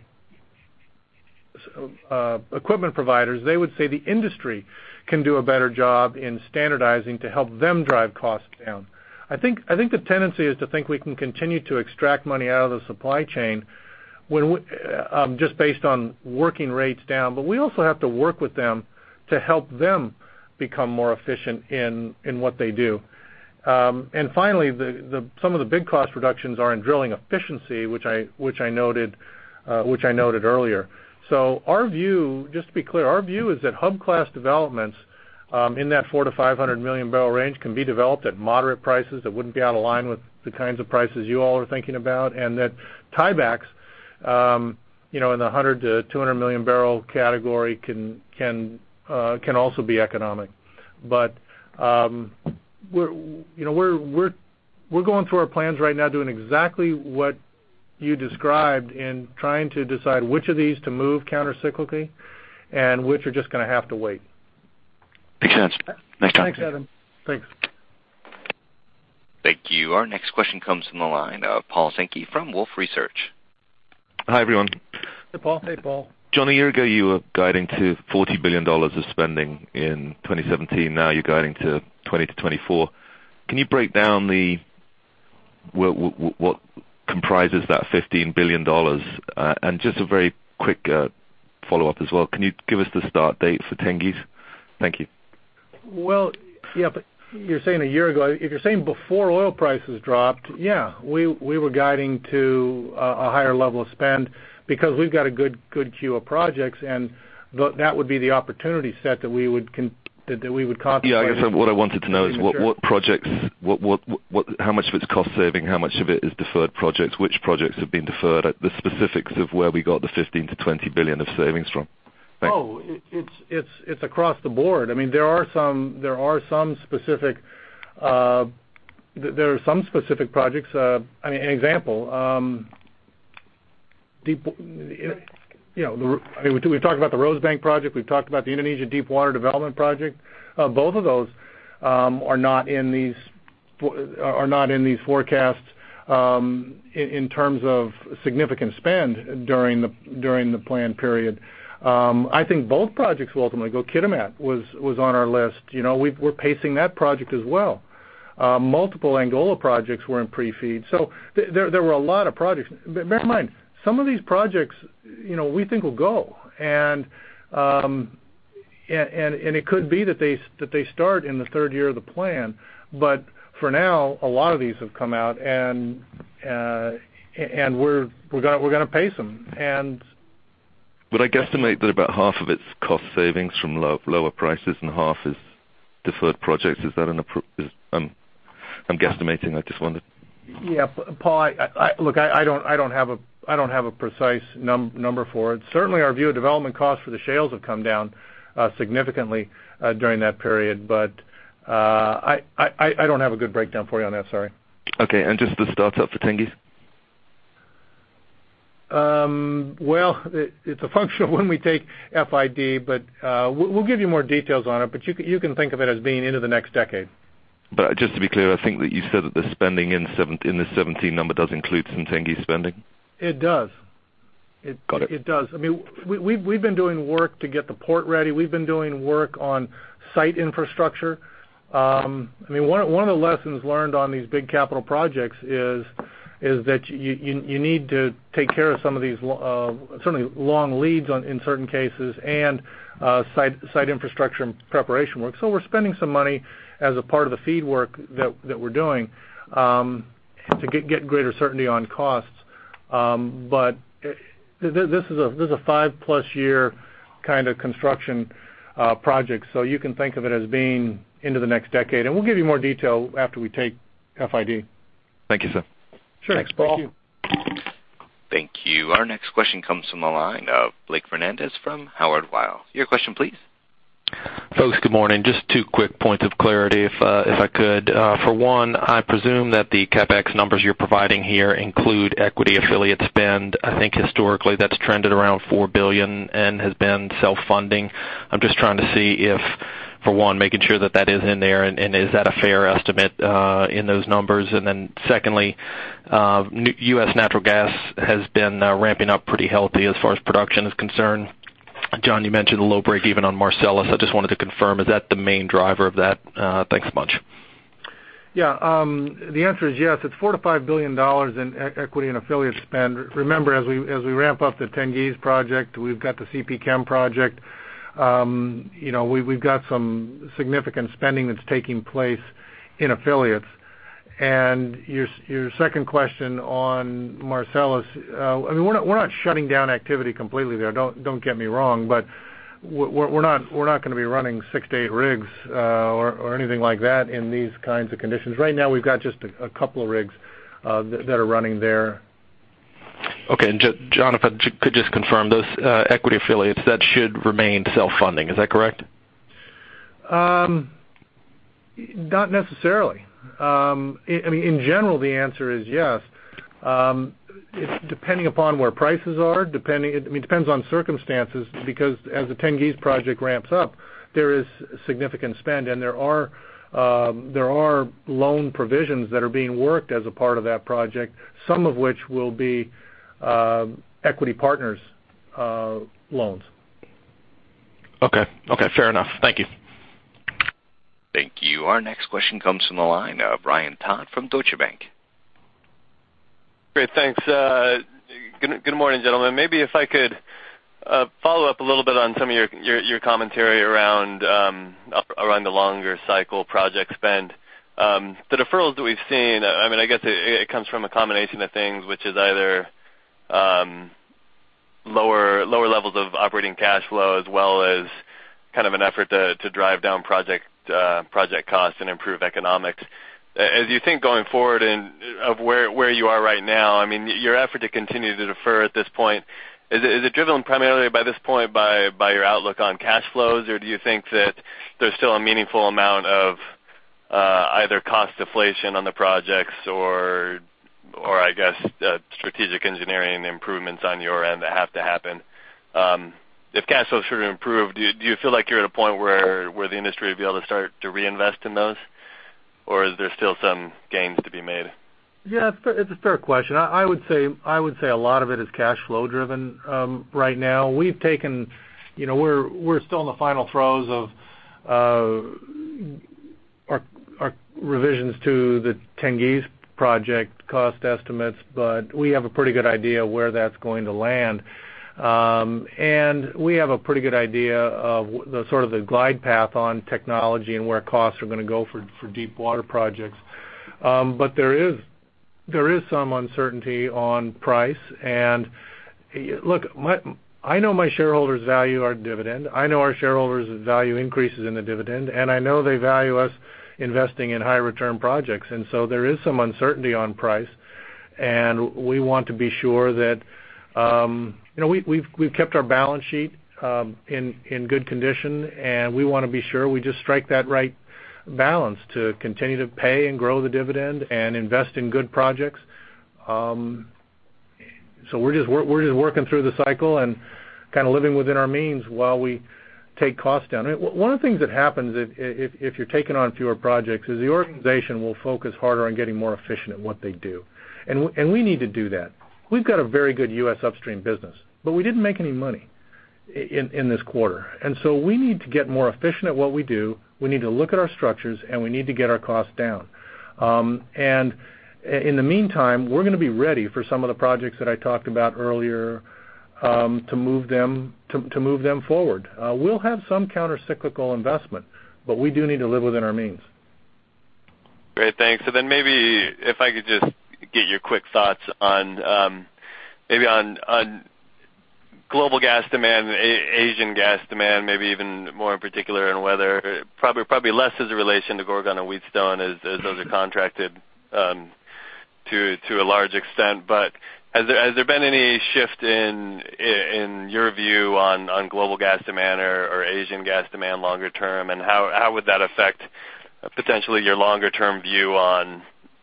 equipment providers, they would say the industry can do a better job in standardizing to help them drive costs down. I think the tendency is to think we can continue to extract money out of the supply chain just based on working rates down, but we also have to work with them to help them become more efficient in what they do. Finally, some of the big cost reductions are in drilling efficiency, which I noted earlier. Just to be clear, our view is that hub class developments in that 400 million-500 million barrel range can be developed at moderate prices that wouldn't be out of line with the kinds of prices you all are thinking about, and that tiebacks, in the 100 million-200 million barrel category can also be economic. We're going through our plans right now, doing exactly what you described in trying to decide which of these to move counter-cyclically and which are just going to have to wait. Makes sense. Nice talking to you. Thanks, Evan. Thanks. Thank you. Our next question comes from the line of Paul Sankey from Wolfe Research. Hi, everyone. Hey, Paul. John, a year ago, you were guiding to $40 billion of spending in 2017. Now you're guiding to $20 billion-$24 billion. Can you break down what comprises that $15 billion? Just a very quick follow-up as well, can you give us the start date for Tengiz? Thank you. Well, yeah, but you're saying a year ago. If you're saying before oil prices dropped, yeah, we were guiding to a higher level of spend because we've got a good queue of projects, and that would be the opportunity set that we would contemplate. Yeah, I guess what I wanted to know is how much of it's cost saving, how much of it is deferred projects, which projects have been deferred, the specifics of where we got the $15 billion-$20 billion of savings from? Thanks. Oh, it's across the board. There are some specific projects. An example, we've talked about the Rosebank project, we've talked about the Indonesia Deepwater Development Project. Both of those are not in these forecasts in terms of significant spend during the plan period. I think both projects will ultimately go. Kitimat was on our list. We're pacing that project as well. Multiple Angola projects were in pre-FEED. There were a lot of projects. Bear in mind, some of these projects we think will go, and it could be that they start in the third year of the plan. For now, a lot of these have come out, and we're going to pace them. Would I guesstimate that about half of it's cost savings from lower prices and half is deferred projects? I'm guesstimating. I just wondered. Yeah. Paul, look, I don't have a precise number for it. Certainly, our view of development costs for the shales have come down significantly during that period. I don't have a good breakdown for you on that, sorry. Okay. Just the start up for Tengiz. Well, it's a function of when we take FID, but we'll give you more details on it, but you can think of it as being into the next decade. Just to be clear, I think that you said that the spending in the 2017 number does include some Tengiz spending? It does. Got it. It does. We've been doing work to get the port ready. We've been doing work on site infrastructure. One of the lessons learned on these big capital projects is that you need to take care of some of these long leads in certain cases, and site infrastructure and preparation work. We're spending some money as a part of the FEED work that we're doing to get greater certainty on costs. This is a 5-plus year construction project, so you can think of it as being into the next decade. We'll give you more detail after we take FID. Thank you, sir. Sure. Thanks, Paul. Thank you. Thank you. Our next question comes from the line of Blake Fernandez from Howard Weil. Your question please. Folks, good morning. Just two quick points of clarity, if I could. For one, I presume that the CapEx numbers you're providing here include equity affiliate spend. I think historically that's trended around $4 billion and has been self-funding. I'm just trying to see if, for one, making sure that that is in there, and is that a fair estimate in those numbers? Then secondly, U.S. natural gas has been ramping up pretty healthy as far as production is concerned. John, you mentioned a low break even on Marcellus. I just wanted to confirm, is that the main driver of that? Thanks a bunch. Yeah. The answer is yes. It's $4 billion-$5 billion in equity and affiliate spend. Remember, as we ramp up the Tengiz project, we've got the CPChem project. We've got some significant spending that's taking place in affiliates. Your second question on Marcellus, we're not shutting down activity completely there, don't get me wrong. We're not going to be running six to eight rigs or anything like that in these kinds of conditions. Right now, we've got just a couple of rigs that are running there. Okay. John, if I could just confirm, those equity affiliates, that should remain self-funding. Is that correct? Not necessarily. In general, the answer is yes. Depending upon where prices are, it depends on circumstances because as the Tengiz project ramps up, there is significant spend, and there are loan provisions that are being worked as a part of that project, some of which will be equity partners' loans. Okay. Fair enough. Thank you. Thank you. Our next question comes from the line of Ryan Todd from Deutsche Bank. Great. Thanks. Good morning, gentlemen. Maybe if I could follow up a little bit on some of your commentary around the longer cycle project spend. The deferrals that we've seen, I guess it comes from a combination of things, which is either lower levels of operating cash flow, as well as an effort to drive down project costs and improve economics. As you think going forward and of where you are right now, your effort to continue to defer at this point, is it driven primarily by this point by your outlook on cash flows, or do you think that there's still a meaningful amount of either cost deflation on the projects or strategic engineering improvements on your end that have to happen? If cash flows were to improve, do you feel like you're at a point where the industry would be able to start to reinvest in those, or is there still some gains to be made? Yeah. It's a fair question. I would say a lot of it is cash flow driven right now. We're still in the final throes of our revisions to the Tengiz project cost estimates, but we have a pretty good idea where that's going to land. We have a pretty good idea of the glide path on technology and where costs are going to go for deep water projects. There is some uncertainty on price, and look, I know my shareholders value our dividend. I know our shareholders value increases in the dividend, and I know they value us investing in high return projects. There is some uncertainty on price, and we've kept our balance sheet in good condition, and we want to be sure we just strike that right balance to continue to pay and grow the dividend and invest in good projects. We're just working through the cycle and kind of living within our means while we take costs down. One of the things that happens if you're taking on fewer projects is the organization will focus harder on getting more efficient at what they do. We need to do that. We've got a very good U.S. upstream business, but we didn't make any money in this quarter. We need to get more efficient at what we do. We need to look at our structures, and we need to get our costs down. In the meantime, we're going to be ready for some of the projects that I talked about earlier to move them forward. We'll have some counter-cyclical investment, but we do need to live within our means. Great. Thanks. Maybe if I could just get your quick thoughts on global gas demand, Asian gas demand, maybe even more in particular on weather. Probably less as a relation to Gorgon and Wheatstone as those are contracted to a large extent. Has there been any shift in your view on global gas demand or Asian gas demand longer term, and how would that affect potentially your longer-term view on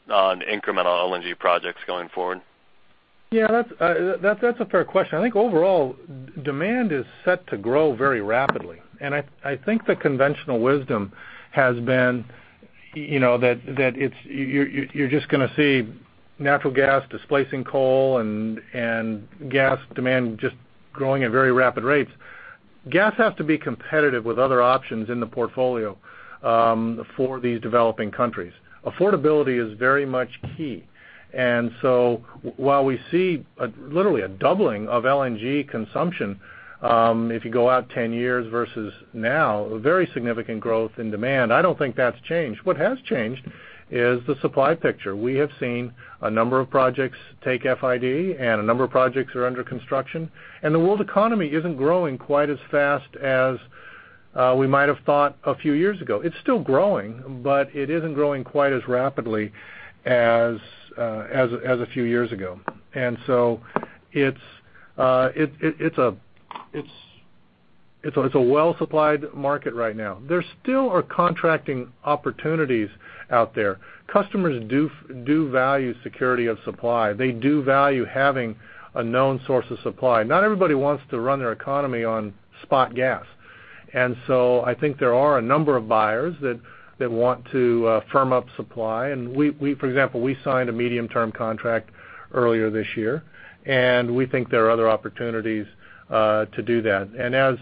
incremental LNG projects going forward? Yeah, that's a fair question. I think overall, demand is set to grow very rapidly. I think the conventional wisdom has been that you're just going to see natural gas displacing coal and gas demand just growing at very rapid rates. Gas has to be competitive with other options in the portfolio for these developing countries. Affordability is very much key. While we see literally a doubling of LNG consumption if you go out 10 years versus now, a very significant growth in demand, I don't think that's changed. What has changed is the supply picture. We have seen a number of projects take FID and a number of projects are under construction, and the world economy isn't growing quite as fast as we might have thought a few years ago. It's still growing, but it isn't growing quite as rapidly as a few years ago. It's a well-supplied market right now. There still are contracting opportunities out there. Customers do value security of supply. They do value having a known source of supply. Not everybody wants to run their economy on spot gas. I think there are a number of buyers that want to firm up supply. For example, we signed a medium-term contract earlier this year, and we think there are other opportunities to do that.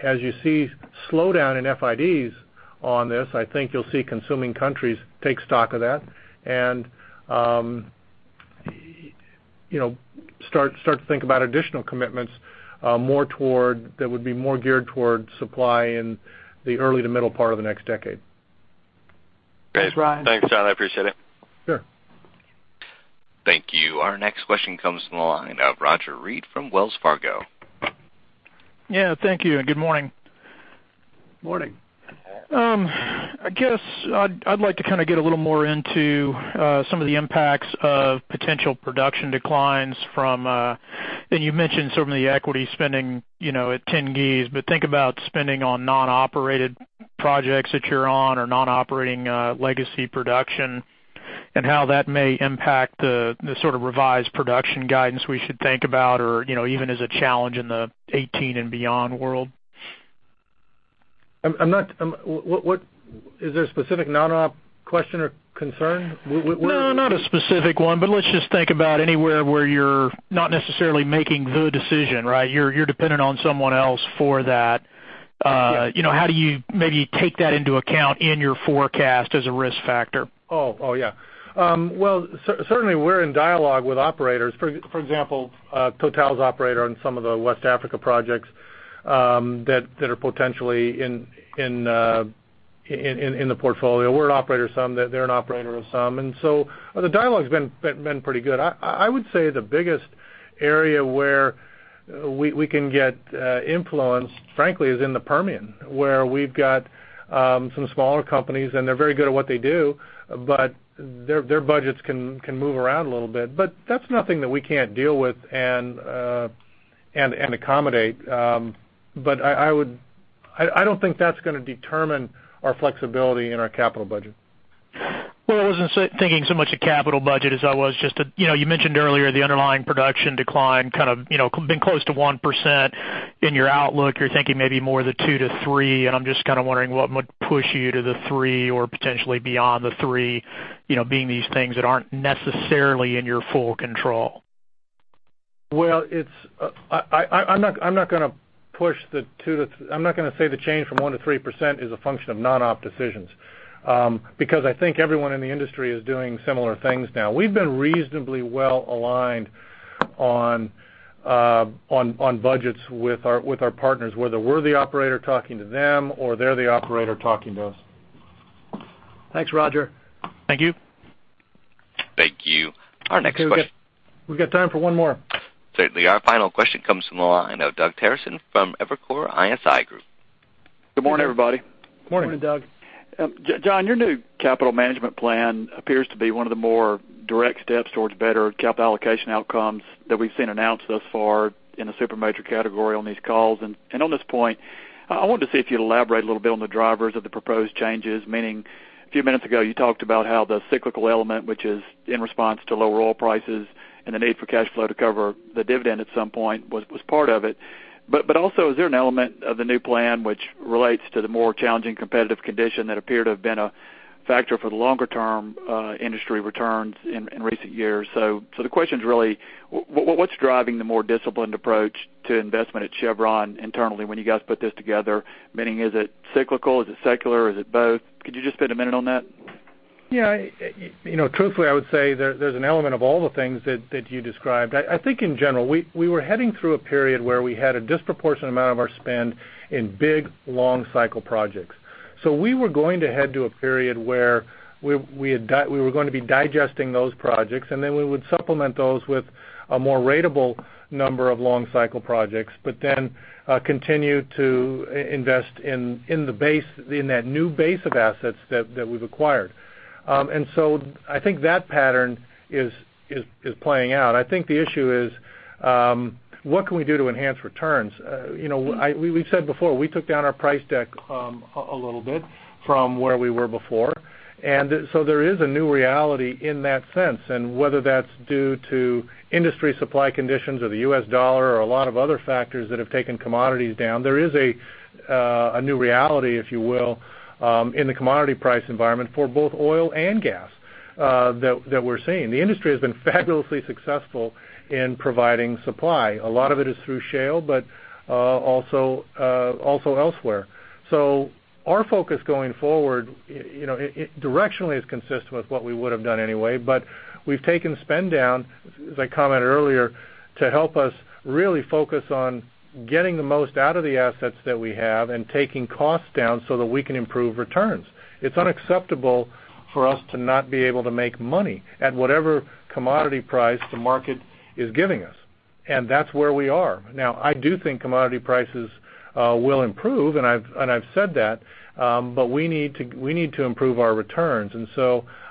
As you see slowdown in FIDs on this, I think you'll see consuming countries take stock of that and start to think about additional commitments that would be more geared towards supply in the early to middle part of the next decade. Great. Thanks, John. I appreciate it. Sure. Thank you. Our next question comes from the line of Roger Read from Wells Fargo. Yeah, thank you and good morning. Morning. I guess I'd like to kind of get a little more into some of the impacts of potential production declines. You mentioned some of the equity spending at Tengiz, but think about spending on non-operated projects that you're on or non-operating legacy production and how that may impact the sort of revised production guidance we should think about or even as a challenge in the 2018 and beyond world. Is there a specific non-op question or concern? No, not a specific one, but let's just think about anywhere where you're not necessarily making the decision, right? You're dependent on someone else for that. Yeah. How do you maybe take that into account in your forecast as a risk factor? Oh, yeah. Well, certainly we're in dialogue with operators. For example, Total's operator on some of the West Africa projects that are potentially in the portfolio. We're an operator of some, they're an operator of some. The dialogue's been pretty good. I would say the biggest area where we can get influence, frankly, is in the Permian, where we've got some smaller companies, and they're very good at what they do, but their budgets can move around a little bit. That's nothing that we can't deal with and accommodate. I don't think that's going to determine our flexibility in our capital budget. Well, I wasn't thinking so much a capital budget as I was just you mentioned earlier the underlying production decline kind of been close to 1% in your outlook. You're thinking maybe more of the 2% to 3%, and I'm just kind of wondering what would push you to the 3% or potentially beyond the 3%, being these things that aren't necessarily in your full control. Well, I'm not going to say the change from 1% to 3% is a function of non-op decisions. I think everyone in the industry is doing similar things now. We've been reasonably well aligned on budgets with our partners, whether we're the operator talking to them or they're the operator talking to us. Thanks, Roger. Thank you. Thank you. Our next question. We've got time for one more. Certainly. Our final question comes from the line of Doug Terreson from Evercore ISI. Good morning, everybody. Morning. Morning, Doug. John, your new capital management plan appears to be one of the more direct steps towards better capital allocation outcomes that we've seen announced thus far in a supermajor category on these calls. On this point, I wanted to see if you'd elaborate a little bit on the drivers of the proposed changes. A few minutes ago, you talked about how the cyclical element, which is in response to lower oil prices and the need for cash flow to cover the dividend at some point was part of it. Also, is there an element of the new plan which relates to the more challenging competitive condition that appeared to have been a factor for the longer-term industry returns in recent years? The question is really what's driving the more disciplined approach to investment at Chevron internally when you guys put this together? Is it cyclical? Is it secular? Is it both? Could you just spend a minute on that? Yeah. Truthfully, I would say there's an element of all the things that you described. I think in general, we were heading through a period where we had a disproportionate amount of our spend in big, long cycle projects. We were going to head to a period where we were going to be digesting those projects, then we would supplement those with a more ratable number of long cycle projects, then continue to invest in that new base of assets that we've acquired. I think that pattern is playing out. I think the issue is what can we do to enhance returns? We said before, we took down our price deck a little bit from where we were before. There is a new reality in that sense. Whether that's due to industry supply conditions or the U.S. dollar or a lot of other factors that have taken commodities down, there is a new reality, if you will, in the commodity price environment for both oil and gas that we're seeing. The industry has been fabulously successful in providing supply. A lot of it is through shale, also elsewhere. Our focus going forward directionally is consistent with what we would have done anyway, we've taken spend down, as I commented earlier, to help us really focus on getting the most out of the assets that we have and taking costs down so that we can improve returns. It's unacceptable for us to not be able to make money at whatever commodity price the market is giving us, that's where we are. I do think commodity prices will improve, and I've said that, but we need to improve our returns.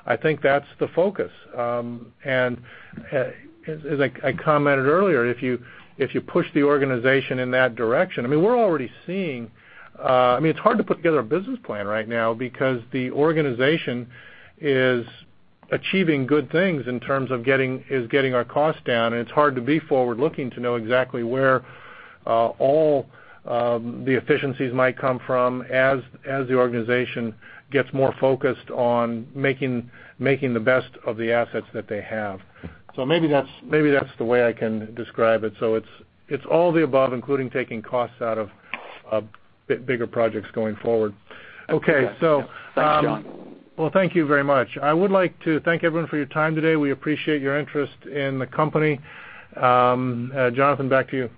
I think that's the focus. I commented earlier, if you push the organization in that direction, I mean, we're already seeing. It's hard to put together a business plan right now because the organization is achieving good things in terms of getting our costs down, and it's hard to be forward-looking to know exactly where all the efficiencies might come from as the organization gets more focused on making the best of the assets that they have. Maybe that's the way I can describe it. It's all the above, including taking costs out of bigger projects going forward. Okay. Thanks, John. Well, thank you very much. I would like to thank everyone for your time today. We appreciate your interest in the company. Jonathan, back to you.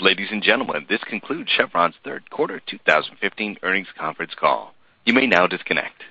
Ladies and gentlemen, this concludes Chevron's third quarter 2015 earnings conference call. You may now disconnect.